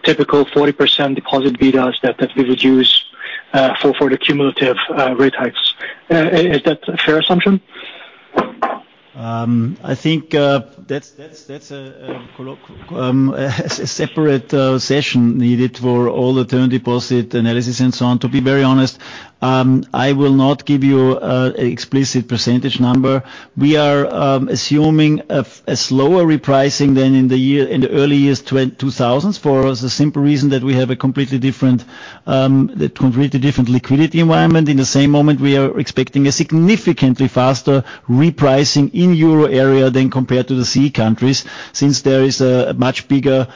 typical 40% deposit betas that we would use for the cumulative rate hikes. Is that a fair assumption? I think that's a separate session needed for all the term deposit analysis and so on. To be very honest, I will not give you a explicit percentage number. We are assuming a slower repricing than in the early 2000s, for the simple reason that we have a completely different liquidity environment. In the same moment, we are expecting a significantly faster repricing in euro area than compared to the CEE countries, since there is a much bigger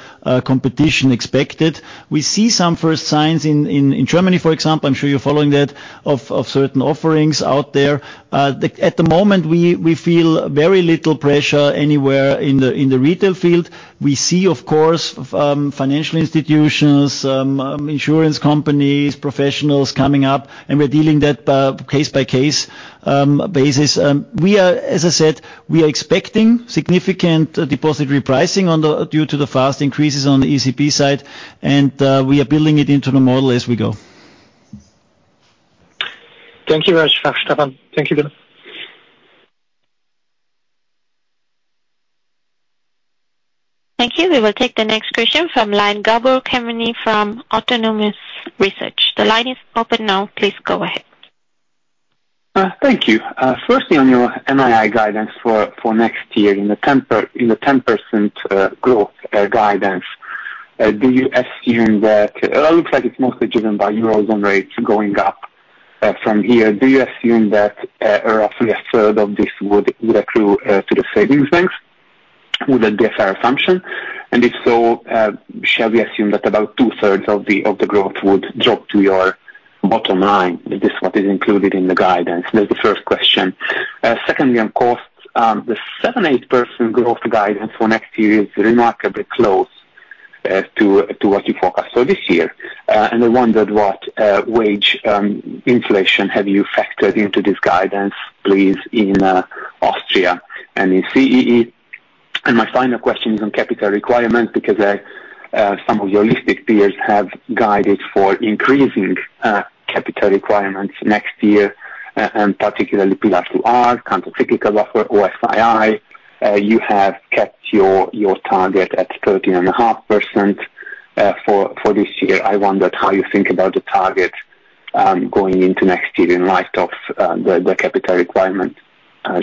competition expected. We see some first signs in Germany, for example. I'm sure you're following that, of certain offerings out there. At the moment, we feel very little pressure anywhere in the retail field. We see, of course, financial institutions, insurance companies, professionals coming up, and we're dealing with that on a case-by-case basis. As I said, we are expecting significant deposit repricing due to the fast increases on the ECB side, and we are building it into the model as we go. Thank you very much, Stefan. Thank you. Thank you. We will take the next question from line, Gábor Kemény from Autonomous Research. The line is open now. Please go ahead. Thank you. Firstly, on your NII guidance for next year in the 10% growth guidance, do you assume that it looks like it's mostly driven by Eurozone rates going up from here. Do you assume that roughly a third of this would accrue to the savings banks with a fair assumption? And if so, shall we assume that about 2/3 of the growth would drop to your bottom line? Is this what is included in the guidance? That's the first question. Secondly, on costs, the 7%-8% growth guidance for next year is remarkably close to what you forecasted this year. I wondered what wage inflation have you factored into this guidance, please, in Austria and in CEE. My final question is on capital requirements, because some of your listed peers have guided for increasing capital requirements next year, and particularly Pillar 2, countercyclical buffer, OSII. You have kept your target at 13.5%, for this year. I wondered how you think about the target, going into next year in light of the capital requirement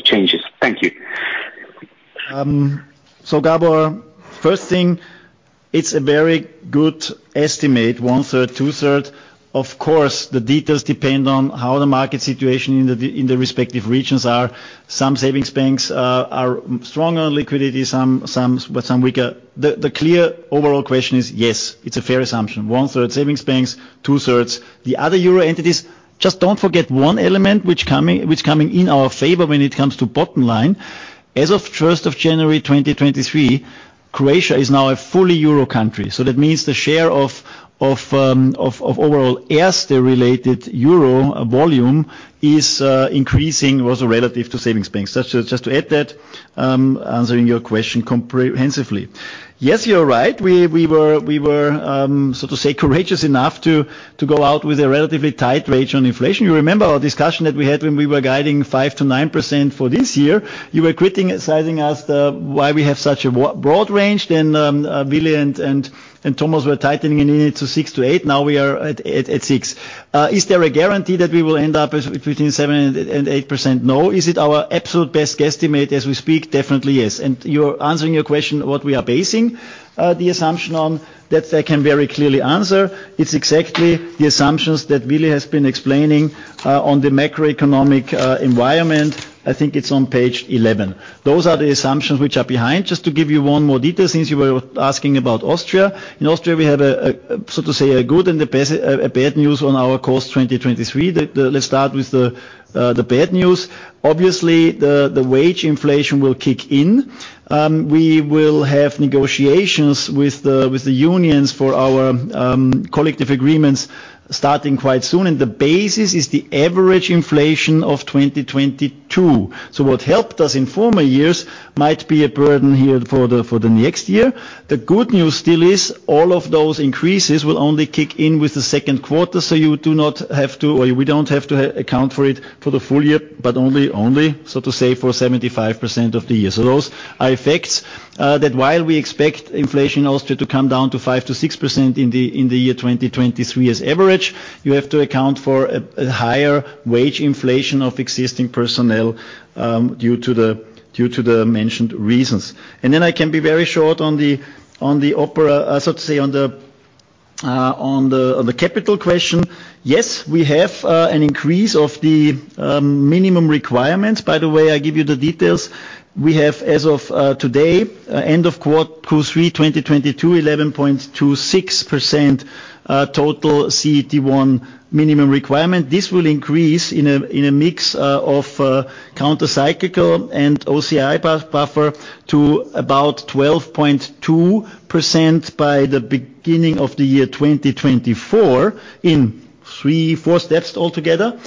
changes. Thank you. Gabor, first thing, it's a very good estimate, 1/3, 2/3. Of course, the details depend on how the market situation in the respective regions are. Some savings banks are stronger on liquidity, some, but some weaker. The clear overall question is, yes, it's a fair assumption. 1/3 savings banks, 2/3 the other euro entities. Just don't forget one element which coming in our favor when it comes to bottom line. As of January 1, 2023, Croatia is now a fully euro country, so that means the share of overall Erste-related euro volume is increasing also relative to savings banks. Just to add that, answering your question comprehensively. Yes, you're right. We were so to say courageous enough to go out with a relatively tight range on inflation. You remember our discussion that we had when we were guiding 5%-9% for this year. You were criticizing us why we have such a wide, broad range, then Willy and Thomas were tightening it into 6%-8%. Now we are at 6%. Is there a guarantee that we will end up between 7%-8%? No. Is it our absolute best guesstimate as we speak? Definitely yes. In answering your question, what we are basing the assumption on, that I can very clearly answer. It's exactly the assumptions that Willy has been explaining on the macroeconomic environment. I think it's on page 11. Those are the assumptions which are behind. Just to give you one more detail, since you were asking about Austria. In Austria, we have so to say a good and a bad news for 2023. Let's start with the bad news. Obviously the wage inflation will kick in. We will have negotiations with the unions for our collective agreements starting quite soon, and the basis is the average inflation of 2022. What helped us in former years might be a burden here for the next year. The good news still is all of those increases will only kick in with the second quarter, so you do not have to, or we don't have to account for it for the full year, but only so to say for 75% of the year. Those are effects that while we expect inflation in Austria to come down to 5%-6% in the year 2023 as average, you have to account for a higher wage inflation of existing personnel due to the mentioned reasons. I can be very short on the capital question. Yes, we have an increase of the minimum requirements. By the way, I give you the details. We have, as of today, end of Q2 2022, 11.26%, total CET1 minimum requirement. This will increase in a mix of countercyclical and OCI buffer to about 12.2% by the beginning of the year 2024 in three, four steps altogether.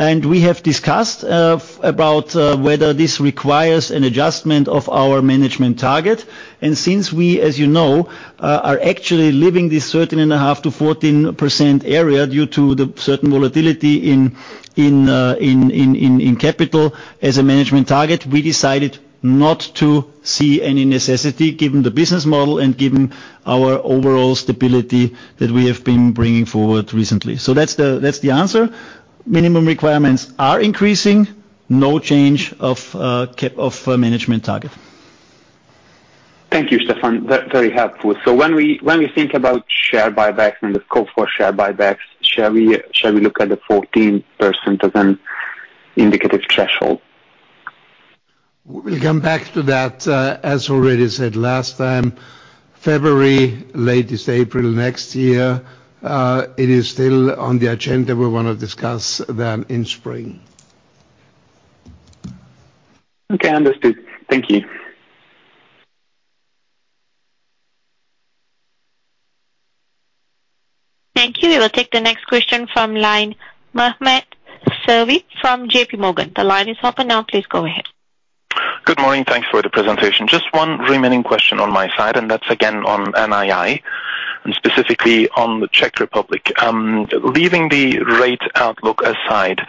We have discussed about whether this requires an adjustment of our management target. Since we, as you know, are actually leaving this 13.5%-14% area due to the certain volatility in capital as a management target, we decided not to see any necessity given the business model and given our overall stability that we have been bringing forward recently. That's the answer. Minimum requirements are increasing. No change of management target. Thank you, Stefan. Very helpful. When we think about share buybacks and the scope for share buybacks, shall we look at the 14% as an indicative threshold? We'll come back to that. As already said last time, February, latest April next year, it is still on the agenda we wanna discuss then in spring. Okay, understood. Thank you. Thank you. We will take the next question from line Mehmet Sevim from JPMorgan. The line is open now, please go ahead. Good morning. Thanks for the presentation. Just one remaining question on my side, and that's again on NII, and specifically on the Czech Republic. Leaving the rate outlook aside,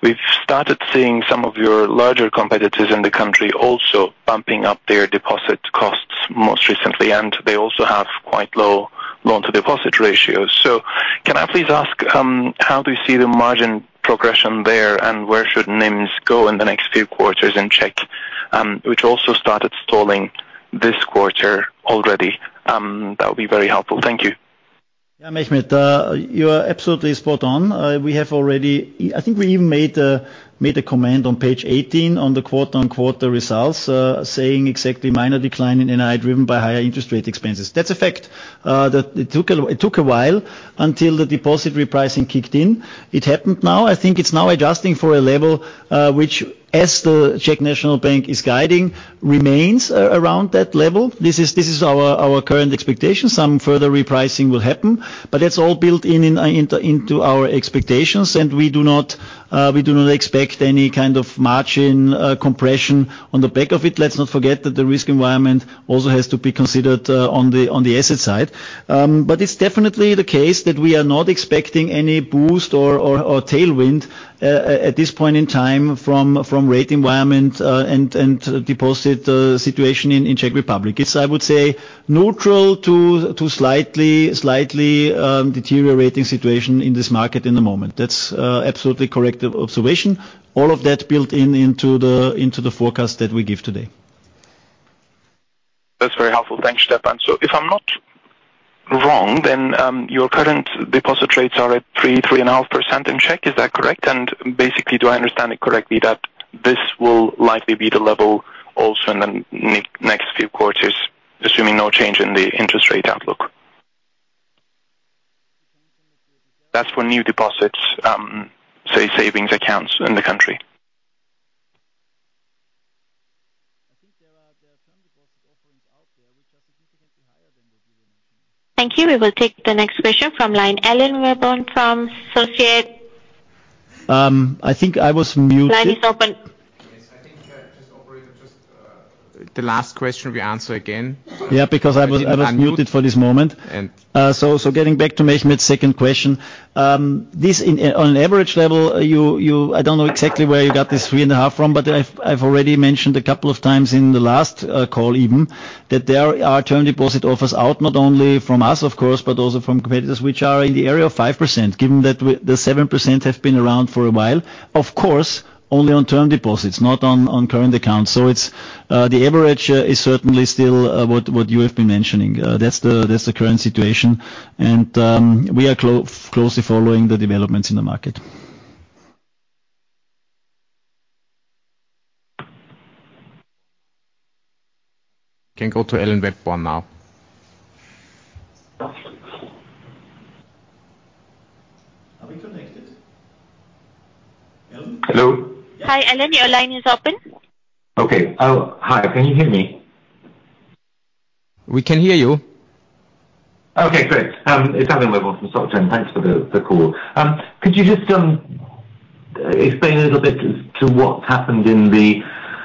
we've started seeing some of your larger competitors in the country also bumping up their deposit costs most recently, and they also have quite low loan-to-deposit ratios. Can I please ask how do you see the margin progression there, and where should NIMs go in the next few quarters in Czech, which also started stalling this quarter already? That would be very helpful. Thank you. Yeah, Mehmet, you are absolutely spot on. We have already. I think we even made a comment on page 18 on the quote-unquote results, saying exactly minor decline in NII driven by higher interest rate expenses. That's a fact, that it took a while until the deposit repricing kicked in. It happened now. I think it's now adjusting for a level, which, as the Czech National Bank is guiding, remains around that level. This is our current expectation. Some further repricing will happen, but that's all built in to our expectations, and we do not expect any kind of margin compression on the back of it. Let's not forget that the risk environment also has to be considered on the asset side. It's definitely the case that we are not expecting any boost or tailwind at this point in time from rate environment and deposit situation in Czech Republic. It's, I would say, neutral to slightly deteriorating situation in this market in the moment. That's absolutely correct observation. All of that built in into the forecast that we give today. That's very helpful. Thanks, Stefan. If I'm not wrong, then, your current deposit rates are at 3.5% in Czech. Is that correct? Basically, do I understand it correctly that this will likely be the level also in the next few quarters, assuming no change in the interest rate outlook? That's for new deposits, say savings accounts in the country. Thank you. We will take the next question from line Alan Webborn from SocGen. I think I was muted. Line is open. Yes. I think, just operator, the last question we answer again. Yeah, because I was muted for this moment. And- Getting back Mehmet Sevim's second question. On an average level, I don't know exactly where you got this 3.5% from, but I've already mentioned a couple of times in the last call even that there are term deposit offers out, not only from us of course, but also from competitors, which are in the area of 5%, given that the 7% have been around for a while. Of course, only on term deposits, not on current accounts. It's the average is certainly still what you have been mentioning. That's the current situation. We are closely following the developments in the market. Can go to Alan Webborn now. Are we connected? Alan? Hello. Hi, Alan. Your line is open. Okay. Oh, hi. Can you hear me? We can hear you. Okay, great. It's Alan Webborn from SocGen. Thanks for the call. Could you just explain a little bit as to what's happened in the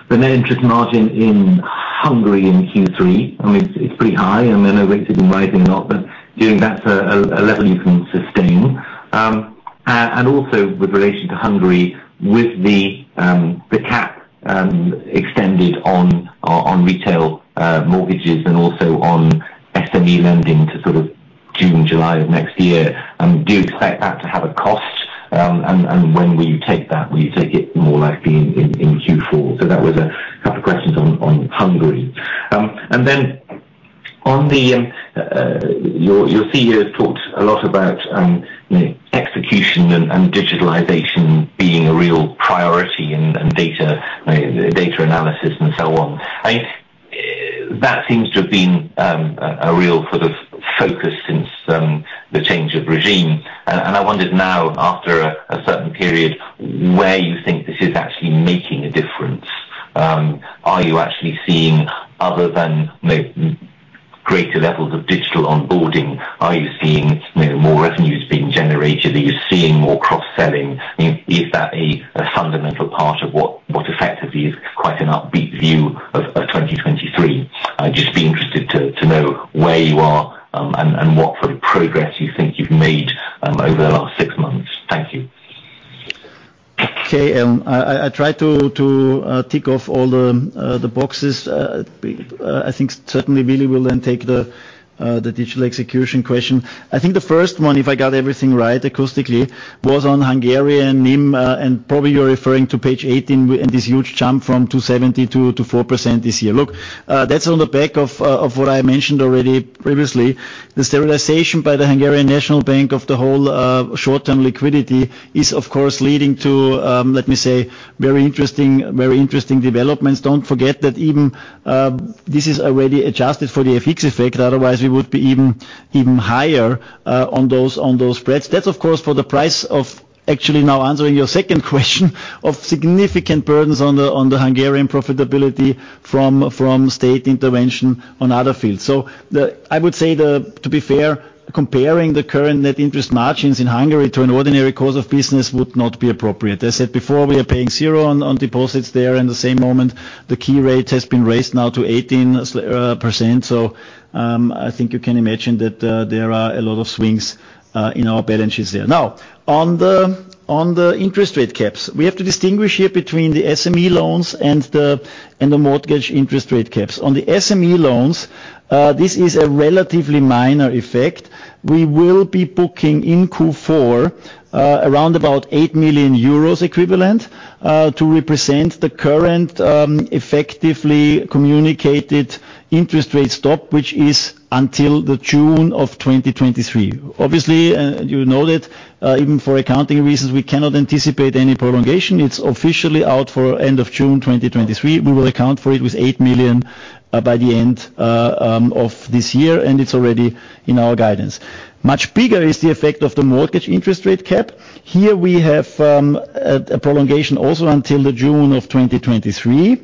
net interest margin in Hungary in Q3? I mean, it's pretty high, and I know rates have been rising a lot, but given that's a level you can sustain. And also with relation to Hungary, with the cap extended on retail mortgages and also on SME lending to sort of June, July of next year, do you expect that to have a cost? And when will you take that? Will you take it more likely in Q4? So that was a couple of questions on Hungary. Then on the your CEO talked a lot about you know execution and digitalization being a real priority and data analysis and so on. That seems to have been a real sort of focus since the change of regime. I wondered now after a certain period where you think this is actually making a difference. Are you actually seeing other than you know greater levels of digital onboarding? Are you seeing you know more revenues being generated? Are you seeing more cross-selling? Is that a fundamental part of what effectively is quite an upbeat view of 2023? I'd just be interested to know where you are and what sort of progress you think you've made over the last six months. Thank you. Okay, I tried to tick off all the boxes. I think certainly Willy will then take the digital execution question. I think the first one, if I got everything right acoustically, was on Hungarian NIM, and probably you're referring to page 18 with this huge jump from 2.70%-4% this year. Look, that's on the back of what I mentioned already previously. The sterilization by the Hungarian National Bank of the whole short-term liquidity is, of course, leading to, let me say, very interesting developments. Don't forget that even this is already adjusted for the FX effect. Otherwise we would be even higher on those spreads. That's of course for the price of actually now answering your second question of significant burdens on the Hungarian profitability from state intervention on other fields. I would say, to be fair, comparing the current net interest margins in Hungary to an ordinary course of business would not be appropriate. As said before, we are paying zero on deposits there in the same moment the key rate has been raised now to 18%. I think you can imagine that there are a lot of swings in our balances there. Now, on the interest rate caps, we have to distinguish here between the SME loans and the mortgage interest rate caps. On the SME loans, this is a relatively minor effect. We will be booking in Q4, around about 8 million euros equivalent, to represent the current, effectively communicated interest rate cap, which is until June 2023. Obviously, you know that, even for accounting reasons, we cannot anticipate any prolongation. It's officially out for end of June 2023. We will account for it with 8 million, by the end of this year, and it's already in our guidance. Much bigger is the effect of the mortgage interest rate cap. Here we have a prolongation also until June 2023.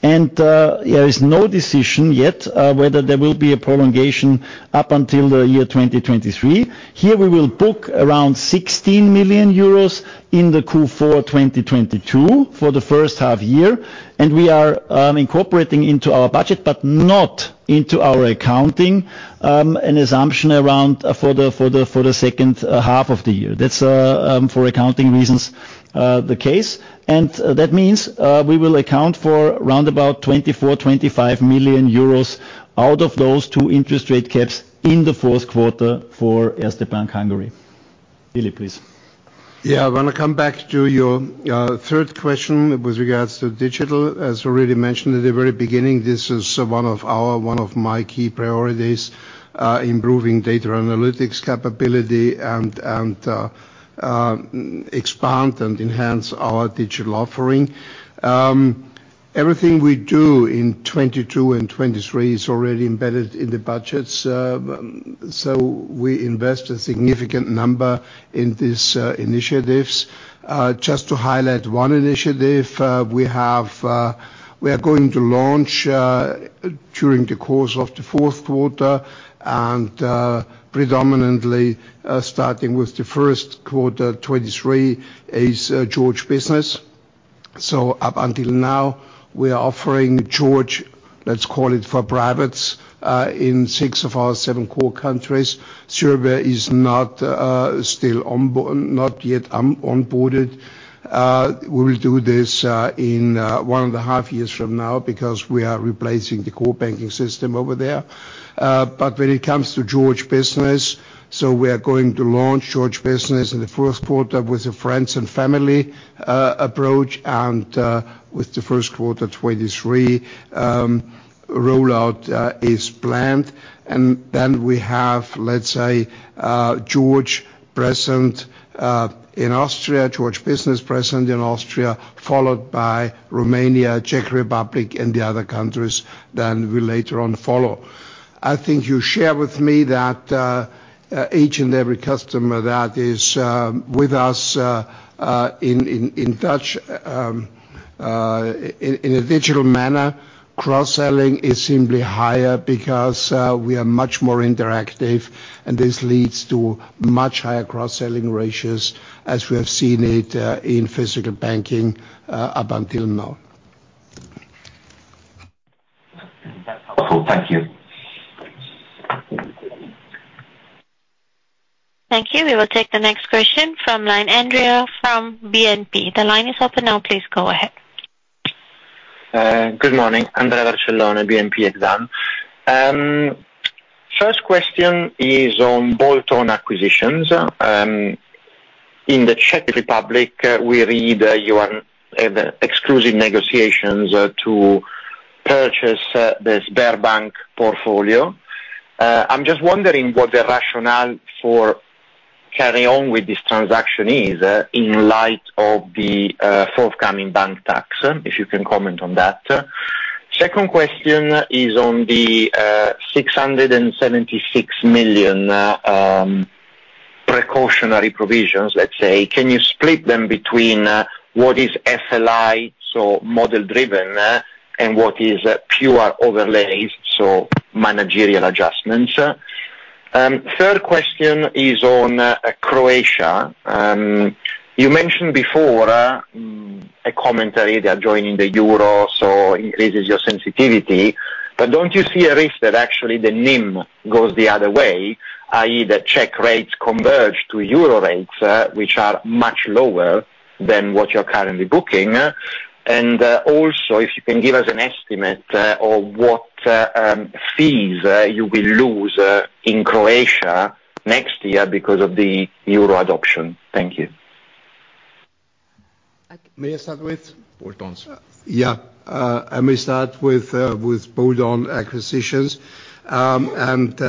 There is no decision yet, whether there will be a prolongation up until the year 2023. Here we will book around 16 million euros in Q4 2022 for the first half year, and we are incorporating into our budget, but not into our accounting, an assumption around for the second half of the year. That's the case for accounting reasons. That means we will account for around 24 million–25 million euros out of those two interest rate caps in the fourth quarter for Erste Bank Hungary. Willi Cernko, please. Yeah. I want to come back to your third question with regards to digital. As already mentioned at the very beginning, this is one of our, one of my key priorities, improving data analytics capability and expand and enhance our digital offering. Everything we do in 2022 and 2023 is already embedded in the budgets, so we invest a significant number in these initiatives. Just to highlight one initiative, we are going to launch during the course of the fourth quarter and predominantly starting with the first quarter 2023 is George Business. Up until now, we are offering George, let's call it for privates, in six of our seven core countries. Serbia is not yet onboarded. We will do this in one and a half years from now because we are replacing the core banking system over there. When it comes to George Business, we are going to launch George Business in the fourth quarter with a friends and family approach and with the first quarter 2023 rollout is planned. Then we have, let's say, George present in Austria, George Business present in Austria, followed by Romania, Czech Republic and the other countries that will later on follow. I think you share with me that each and every customer that is with us in touch in a digital manner, cross-selling is simply higher because we are much more interactive, and this leads to much higher cross-selling ratios as we have seen it in physical banking up until now. That's helpful. Thank you. Thank you. We will take the next question from line Andrea from BNP. The line is open now. Please go ahead. Good morning, Andrea Vercellone, BNP Paribas Exane. First question is on bolt-on acquisitions. In the Czech Republic, we read you are in exclusive negotiations to purchase the Sberbank portfolio. I'm just wondering what the rationale for carrying on with this transaction is in light of the forthcoming Czech banking tax, if you can comment on that. Second question is on the 676 million. Precautionary provisions, let's say, can you split them between what is FLI, so model-driven, and what is pure overlays, so managerial adjustments? Third question is on Croatia. You mentioned before a commentary, they are joining the Euro, so increases your sensitivity. But don't you see a risk that actually the NIM goes the other way, i.e., the Czech rates converge to Euro rates, which are much lower than what you're currently booking. Also, if you can give us an estimate on what fees you will lose in Croatia next year because of the Euro adoption. Thank you. May I start with bolt-on? Yeah. I may start with bolt-on acquisitions and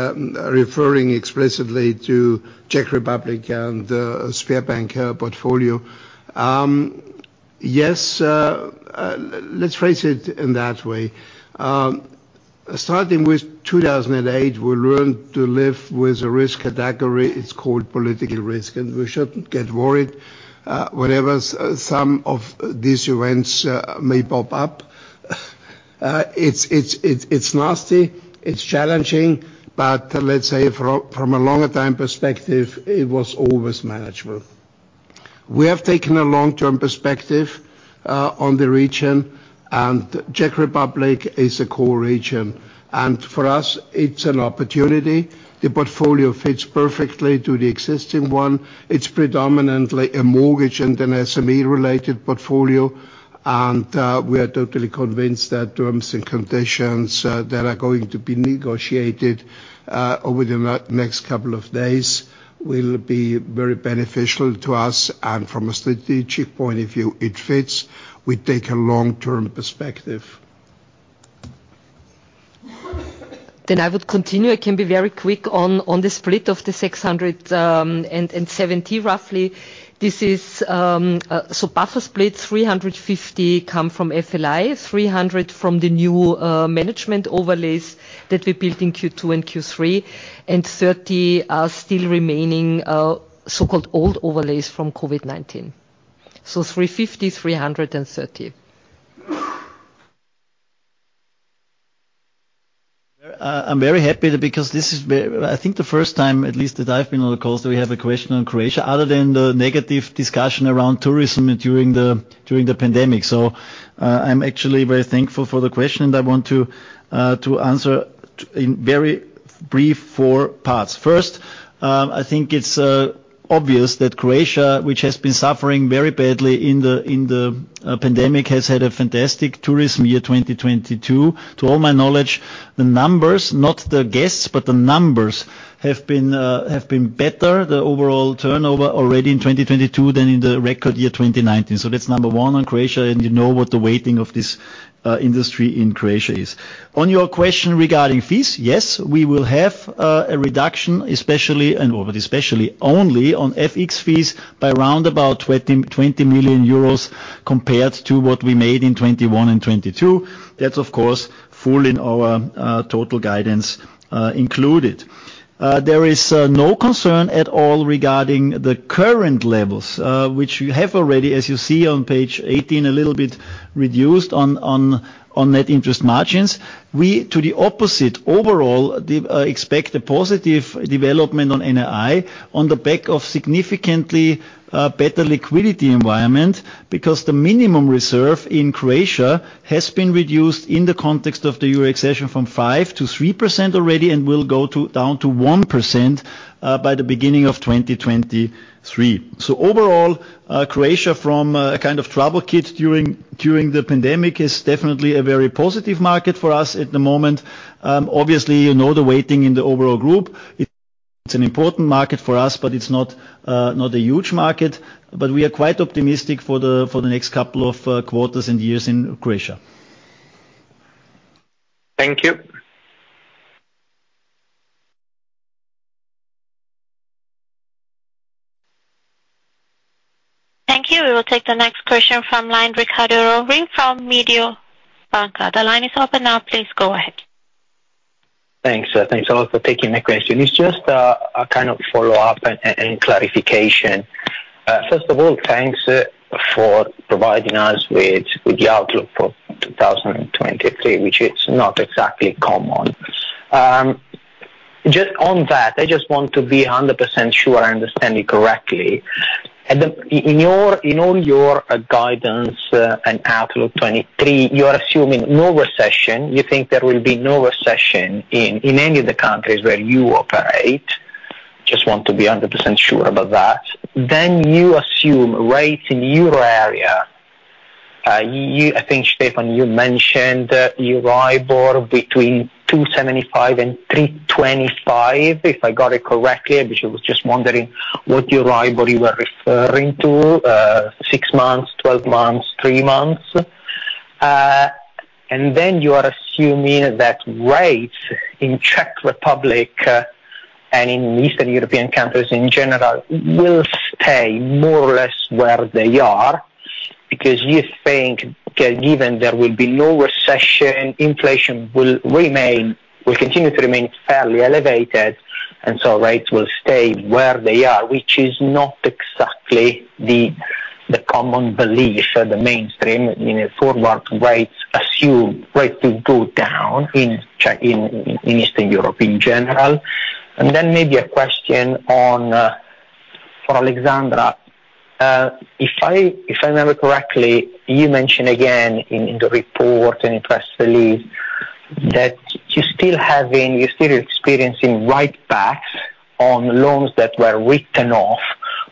referring explicitly to Czech Republic and Sberbank portfolio. Yes, let's face it in that way. Starting with 2008, we learned to live with a risk category, it's called political risk, and we shouldn't get worried whenever some of these events may pop up. It's nasty, it's challenging, but let's say from a longer time perspective, it was always manageable. We have taken a long-term perspective on the region, and Czech Republic is a core region. For us, it's an opportunity. The portfolio fits perfectly to the existing one. It's predominantly a mortgage and an SME-related portfolio, and we are totally convinced that terms and conditions that are going to be negotiated over the next couple of days will be very beneficial to us. From a strategic point of view, it fits. We take a long-term perspective. I would continue. It can be very quick on the split of the 670, roughly. This is so buffer split, 350 come from FLI, 300 from the new management overlays that we built in Q2 and Q3, and 30 are still remaining, so-called old overlays from COVID-19. 350, 300 and 30. I'm very happy because this is very I think the first time, at least that I've been on the call, so we have a question on Croatia other than the negative discussion around tourism during the pandemic. I'm actually very thankful for the question, and I want to answer in very brief four parts. First, I think it's obvious that Croatia, which has been suffering very badly in the pandemic, has had a fantastic tourism year 2022. To all my knowledge, the numbers, not the guests, but the numbers have been better, the overall turnover already in 2022 than in the record year, 2019. That's number one on Croatia, and you know what the weighting of this industry in Croatia is. On your question regarding fees, yes, we will have a reduction, especially and/or especially only on FX fees by round about 20 million euros compared to what we made in 2021 and 2022. That's, of course, fully in our total guidance included. There is no concern at all regarding the current levels, which you have already, as you see on page 18, a little bit reduced on net interest margins. We, to the opposite, overall, expect a positive development on NII on the back of significantly better liquidity environment because the minimum reserve in Croatia has been reduced in the context of the euro accession from 5%-3% already and will go down to 1% by the beginning of 2023. Overall, Croatia from a kind of trouble kid during the pandemic is definitely a very positive market for us at the moment. Obviously, you know the weighting in the overall group. It's an important market for us, but it's not a huge market. We are quite optimistic for the next couple of quarters and years in Croatia. Thank you. Thank you. We will take the next question from line, Riccardo Rovere from Mediobanca. The line is open now. Please go ahead. Thanks. Thanks a lot for taking the question. It's just a kind of follow-up and clarification. First of all, thanks for providing us with the outlook for 2023, which is not exactly common. Just on that, I just want to be 100% sure I understand it correctly. In all your guidance and outlook 2023, you are assuming no recession. You think there will be no recession in any of the countries where you operate. Just want to be 100% sure about that. Then you assume rates in euro area. I think, Stefan, you mentioned Euribor between 2.75% and 3.25%, if I got it correctly, because I was just wondering what Euribor you are referring to, six months, twelve months, three months. You are assuming that rates in Czech Republic and in Eastern European countries in general will stay more or less where they are. You think given there will be no recession, inflation will remain will continue to remain fairly elevated, and so rates will stay where they are, which is not exactly the common belief or the mainstream. You know, forward rates assume rates will go down in in Eastern Europe in general. Maybe a question for Alexandra. If I remember correctly, you mentioned again in the report and in press release that you are still experiencing write-backs on loans that were written off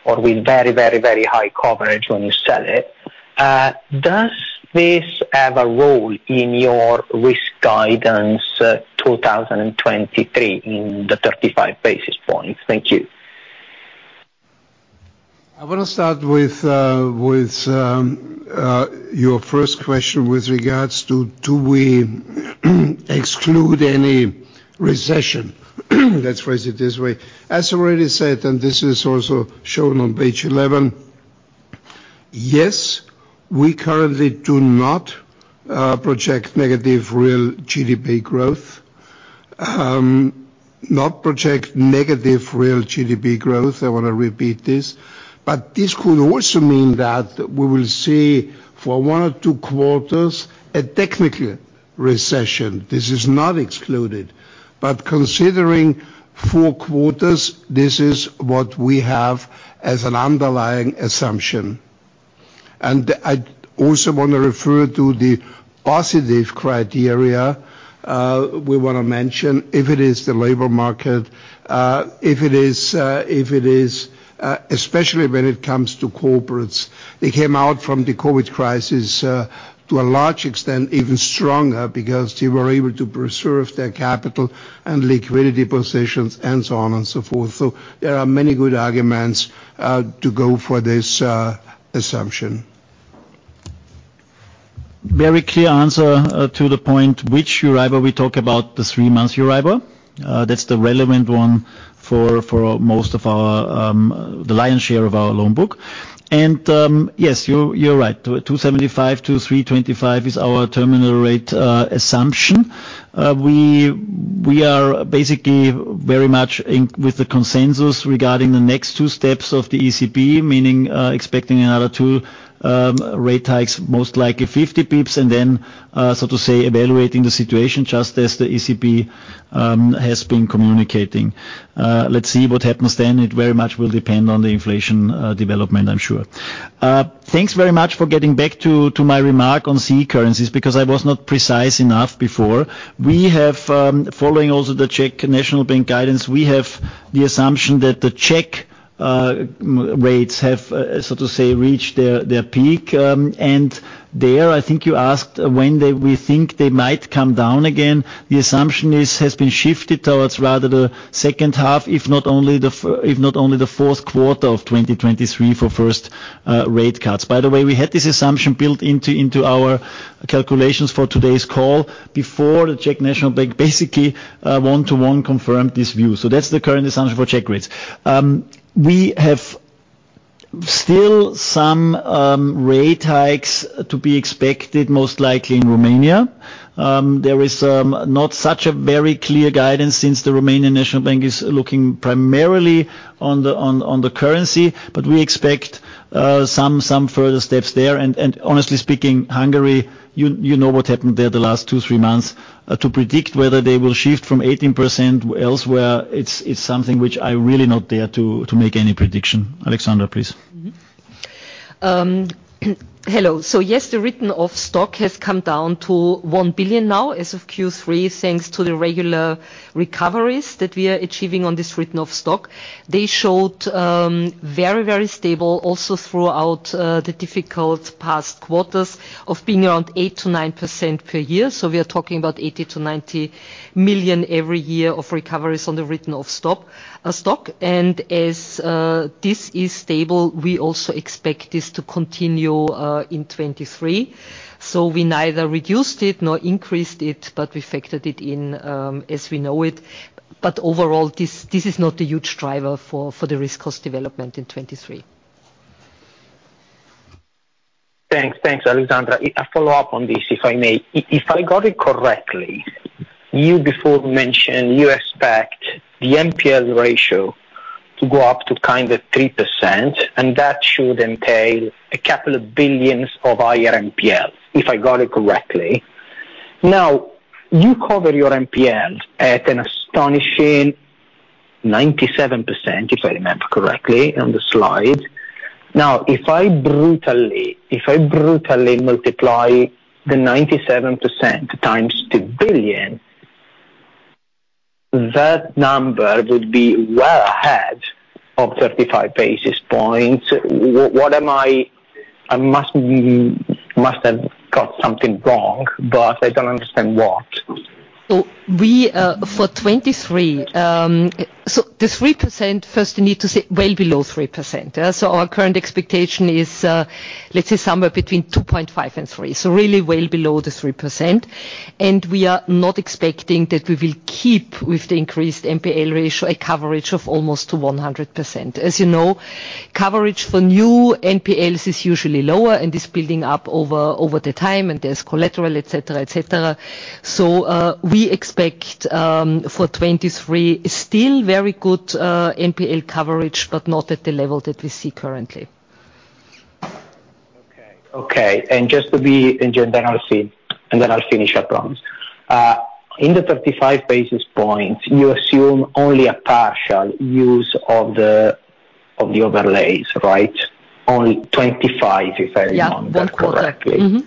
or with very high coverage when you sell it. Does this have a role in your risk guidance, 2023 in the 35 basis points? Thank you. I wanna start with your first question with regards to do we exclude any recession? Let's phrase it this way. As already said, this is also shown on page 11, yes, we currently do not project negative real GDP growth. Not project negative real GDP growth, I wanna repeat this. This could also mean that we will see for one or two quarters a technical recession. This is not excluded. Considering four quarters, this is what we have as an underlying assumption. I also wanna refer to the positive criteria we wanna mention. If it is the labor market, especially when it comes to corporates, they came out from the COVID crisis to a large extent, even stronger because they were able to preserve their capital and liquidity positions and so on and so forth. There are many good arguments to go for this assumption. Very clear answer, to the point which Euribor we talk about, the three-month Euribor. That's the relevant one for most of our, the lion's share of our loan book. Yes, you're right. 2.75%-3.25% is our terminal rate assumption. We are basically very much in with the consensus regarding the next two steps of the ECB, meaning expecting another two rate hikes, most likely 50 basis points, and then so to say, evaluating the situation just as the ECB has been communicating. Let's see what happens then. It very much will depend on the inflation development, I'm sure. Thanks very much for getting back to my remark on currencies because I was not precise enough before. We have, following also the Czech National Bank guidance, we have the assumption that the Czech market rates have, so to say, reached their peak. I think you asked when we think they might come down again. The assumption is, has been shifted towards rather the second half, if not only the fourth quarter of 2023 for first rate cuts. By the way, we had this assumption built into our calculations for today's call before the Czech National Bank basically one-to-one confirmed this view. That's the current assumption for Czech rates. We have still some rate hikes to be expected most likely in Romania. There is not such a very clear guidance since the National Bank of Romania is looking primarily on the currency, but we expect some further steps there. Honestly speaking, Hungary, you know what happened there the last 2-3 months. To predict whether they will shift from 18% elsewhere, it's something which I really not dare to make any prediction. Alexandra, please. Mm-hmm. Hello. Yes, the written-off stock has come down to 1 billion now as of Q3, thanks to the regular recoveries that we are achieving on this written-off stock. They showed very, very stable also throughout the difficult past quarters of being around 8%-9% per year. We are talking about 80-90 million every year of recoveries on the written-off stock. As this is stable, we also expect this to continue in 2023. We neither reduced it nor increased it, but we factored it in as we know it. Overall, this is not a huge driver for the risk cost development in 2023. Thanks. Thanks, Alexandra. A follow-up on this, if I may. If I got it correctly, you before mentioned you expect the NPL ratio to go up to kind of 3%, and that should entail a couple of billion EUR higher NPL, if I got it correctly. Now, you cover your NPL at an astonishing 97%, if I remember correctly on the slide. Now, if I brutally multiply the 97% times 2 billion, that number would be well ahead of 35 basis points. I must have got something wrong, but I don't understand what. For 2023, the 3%, first you need to say well below 3%. Our current expectation is, let's say somewhere between 2.5% and 3%. Really well below the 3%. We are not expecting that we will keep with the increased NPL ratio a coverage of almost 100%. As you know, coverage for new NPLs is usually lower and is building up over the time, and there's collateral, et cetera. We expect, for 2023 still very good NPL coverage, but not at the level that we see currently. Okay. Just to begin in general, and then I'll finish up, Hans. In the 35 basis points, you assume only a partial use of the overlays, right? Only 25, if I remember correctly. Yeah. 1 quarter.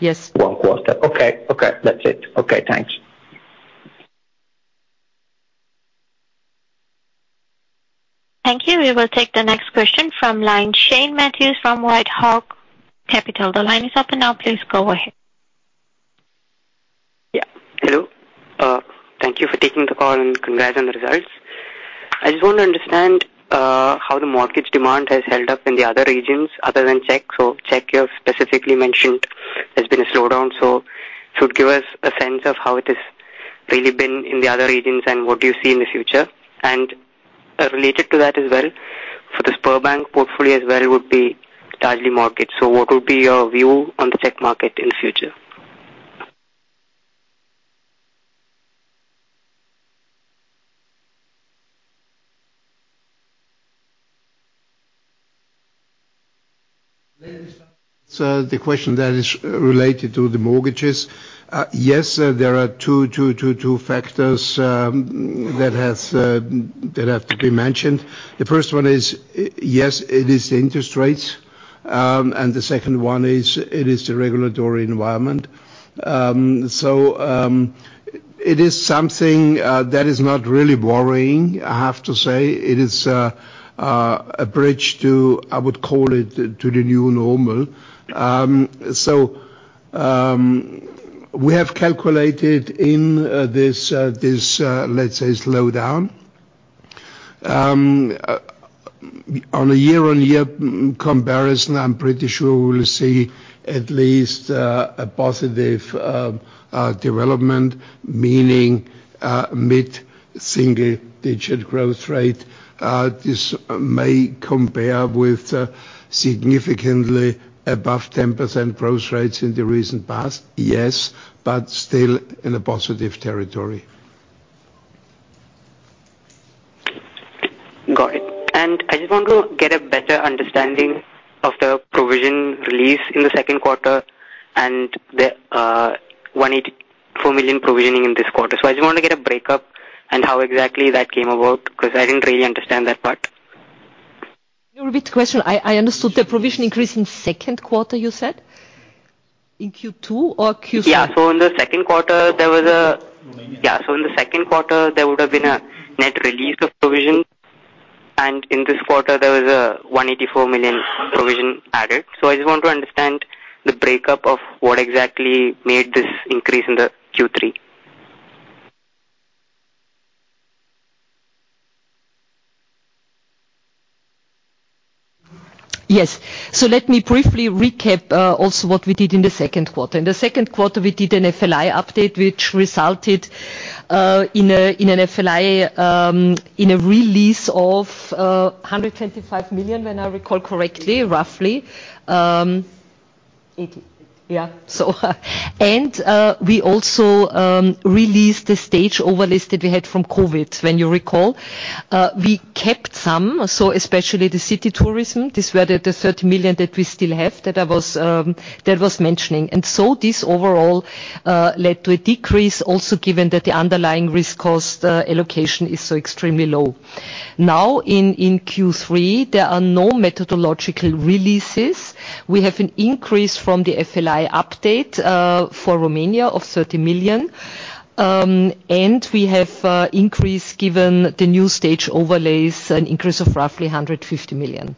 Yes. One quarter. Okay. Okay. That's it. Okay, thanks. Thank you. We will take the next question from line Shane Matthews from White Oak Global Partners. The line is open now. Please go ahead. Yeah. Hello. Thank you for taking the call, and congrats on the results. I just want to understand how the mortgage demand has held up in the other regions other than Czech. Czech you have specifically mentioned there's been a slowdown. If you would give us a sense of how it has really been in the other regions and what do you see in the future. Related to that as well, for the Sberbank portfolio as well would be largely market. What would be your view on the Czech market in the future? The question that is related to the mortgages, yes, there are two factors that have to be mentioned. The first one is, yes, it is interest rates. The second one is it is the regulatory environment. It is something that is not really worrying, I have to say. It is a bridge to, I would call it, to the new normal. We have calculated in this, let's say, slowdown. On a year-on-year comparison, I'm pretty sure we'll see at least a positive development, meaning mid-single digit growth rate. This may compare with significantly above 10% growth rates in the recent past. Yes, but still in a positive territory. Got it. I just want to get a better understanding of the provision release in the second quarter and the 184 million provisioning in this quarter. I just want to get a breakdown and how exactly that came about, 'cause I didn't really understand that part. Can you repeat the question? I understood the provision increase in second quarter, you said? In Q2 or Q3? Yeah. In the second quarter there would have been a net release of provision, and in this quarter there was a 184 million provision added. I just want to understand the breakdown of what exactly made this increase in the Q3. Yes. Let me briefly recap also what we did in the second quarter. In the second quarter we did an FLI update which resulted in an FLI release of 80 million, if I recall correctly, roughly. We also released the stage overlays that we had from COVID, when you recall. We kept some, especially the city tourism. These were the 30 million that we still have, that I was mentioning. This overall led to a decrease also given that the underlying risk cost allocation is so extremely low. Now in Q3, there are no methodological releases. We have an increase from the FLI update for Romania of 30 million. We have, given the new Stage overlays, an increase of roughly 150 million.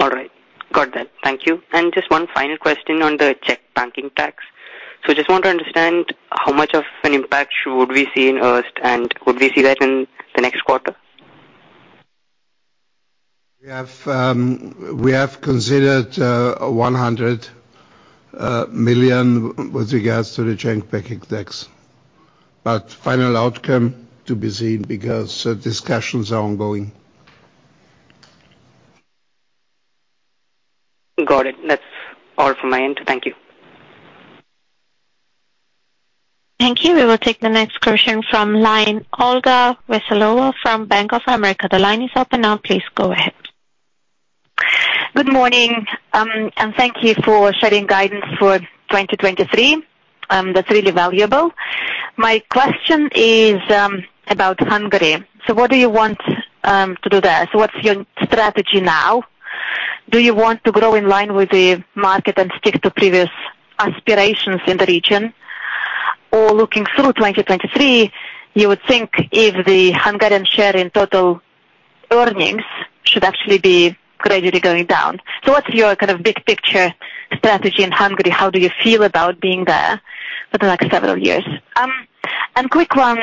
All right. Got that. Thank you. Just one final question on the Czech banking tax. Just want to understand how much of an impact would we see in Erste and would we see that in the next quarter? We have considered 100 million with regards to the Czech banking tax, but final outcome to be seen because discussions are ongoing. Got it. That's all from my end. Thank you. Thank you. We will take the next question from line Olga Veselova from Bank of America. The line is open now. Please go ahead. Good morning. Thank you for sharing guidance for 2023. That's really valuable. My question is about Hungary. What do you want to do there? What's your strategy now? Do you want to grow in line with the market and stick to previous aspirations in the region? Looking through 2023, you would think if the Hungarian share in total earnings should actually be gradually going down. What's your kind of big picture strategy in Hungary? How do you feel about being there for the next several years? Quick one,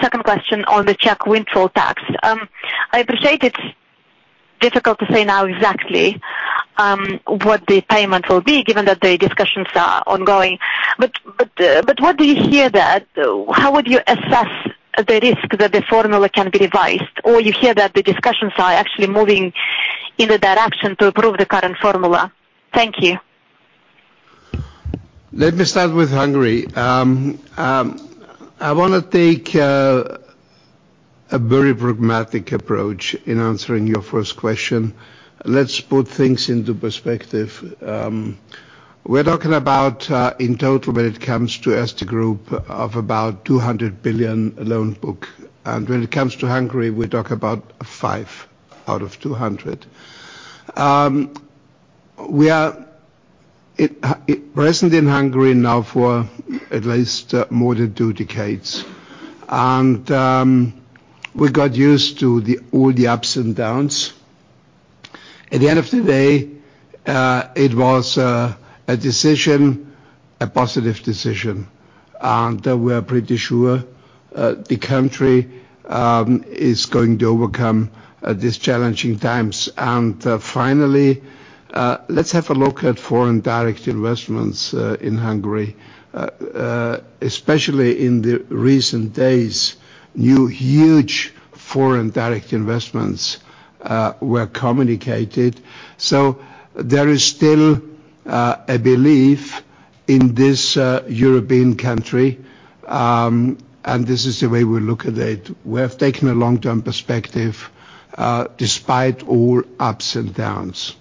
second question on the Czech windfall tax. I appreciate it's difficult to say now exactly what the payment will be given that the discussions are ongoing, but what do you hear that how would you assess the risk that the formula can be revised or you hear that the discussions are actually moving in the direction to approve the current formula? Thank you. Let me start with Hungary. I wanna take a very pragmatic approach in answering your first question. Let's put things into perspective. We're talking about, in total, when it comes to Erste Group of about 200 billion loan book. When it comes to Hungary, we talk about 5 out of 200. We are present in Hungary now for at least more than two decades. We got used to all the ups and downs. At the end of the day, it was a decision, a positive decision, and we are pretty sure the country is going to overcome these challenging times. Finally, let's have a look at foreign direct investments in Hungary. Especially in the recent days, new huge foreign direct investments were communicated. There is still a belief in this European country, and this is the way we look at it. We have taken a long-term perspective, despite all ups and downs.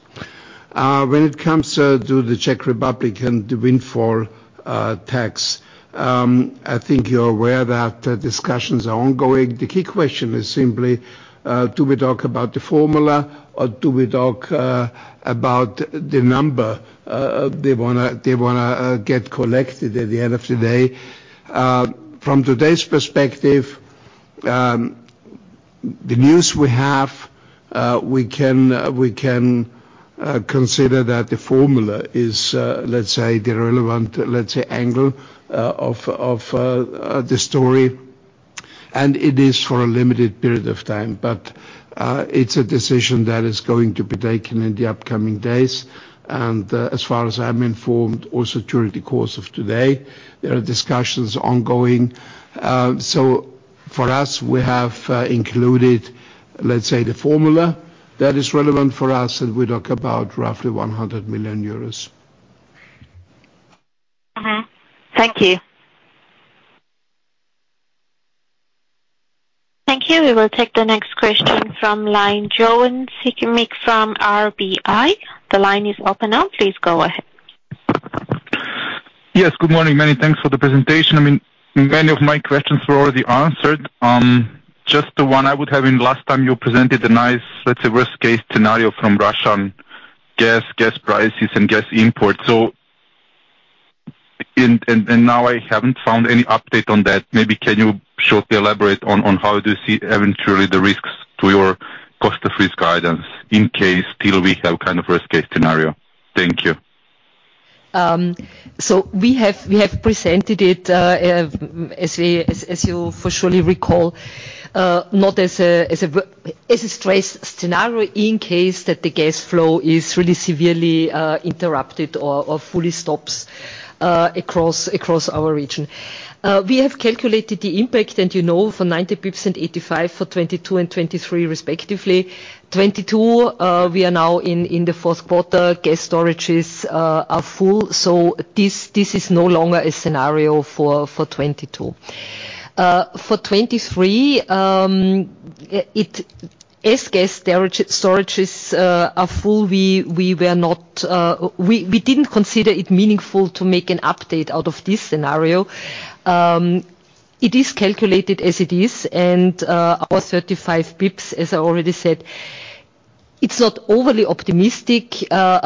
When it comes to the Czech Republic and the windfall tax, I think you're aware that discussions are ongoing. The key question is simply, do we talk about the formula or do we talk about the number they wanna get collected at the end of the day. From today's perspective, the news we have, we can consider that the formula is, let's say the relevant, let's say angle of the story, and it is for a limited period of time. It's a decision that is going to be taken in the upcoming days. As far as I'm informed, also during the course of today, there are discussions ongoing. For us, we have included, let's say, the formula that is relevant for us, and we talk about roughly 100 million euros. Mm-hmm. Thank you. Thank you. We will take the next question from line Jovan Sikimic from RBI. The line is open now. Please go ahead. Yes, good morning. Many thanks for the presentation. I mean, many of my questions were already answered. Just the one I would have, and last time you presented a nice, let's say, worst case scenario from Russian gas prices and gas imports. So now I haven't found any update on that. Maybe can you shortly elaborate on how do you see eventually the risks to your cost guidance in case still we have kind of worst case scenario? Thank you. We have presented it, as you surely recall, not as a stress scenario in case that the gas flow is really severely interrupted or fully stops across our region. We have calculated the impact, and you know, for 90 bps and 85 for 2022 and 2023 respectively. 2022, we are now in the fourth quarter. Gas storages are full, so this is no longer a scenario for 2022. For 2023, as gas storages are full we didn't consider it meaningful to make an update out of this scenario. It is calculated as it is, and our 35 basis points, as I already said, it's not overly optimistic, not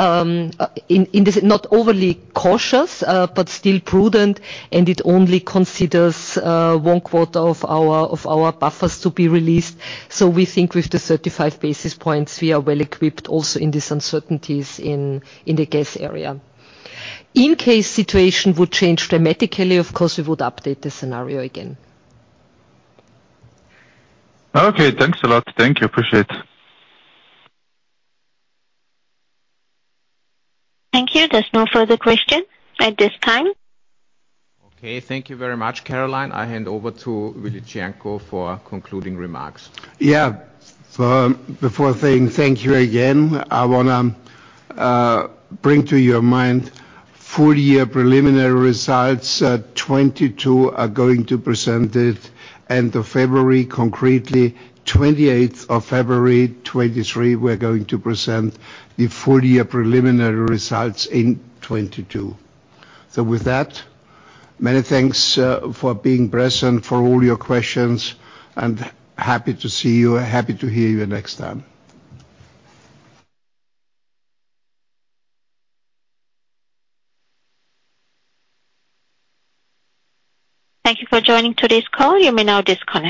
overly cautious, but still prudent, and it only considers one quarter of our buffers to be released. We think with the 35 basis points, we are well-equipped also in these uncertainties in the gas area. In case situation would change dramatically, of course we would update the scenario again. Okay. Thanks a lot. Thank you. Appreciate it. Thank you. There's no further question at this time. Okay. Thank you very much, Caroline. I hand over to Willi Cernko for concluding remarks. Yeah. Before saying thank you again, I wanna bring to your mind full year preliminary results at 2022 are going to present it end of February. Concretely, 28th of February 2023, we're going to present the full year preliminary results in 2022. With that, many thanks for being present, for all your questions, and happy to see you, happy to hear you next time. Thank you for joining today's call. You may now disconnect.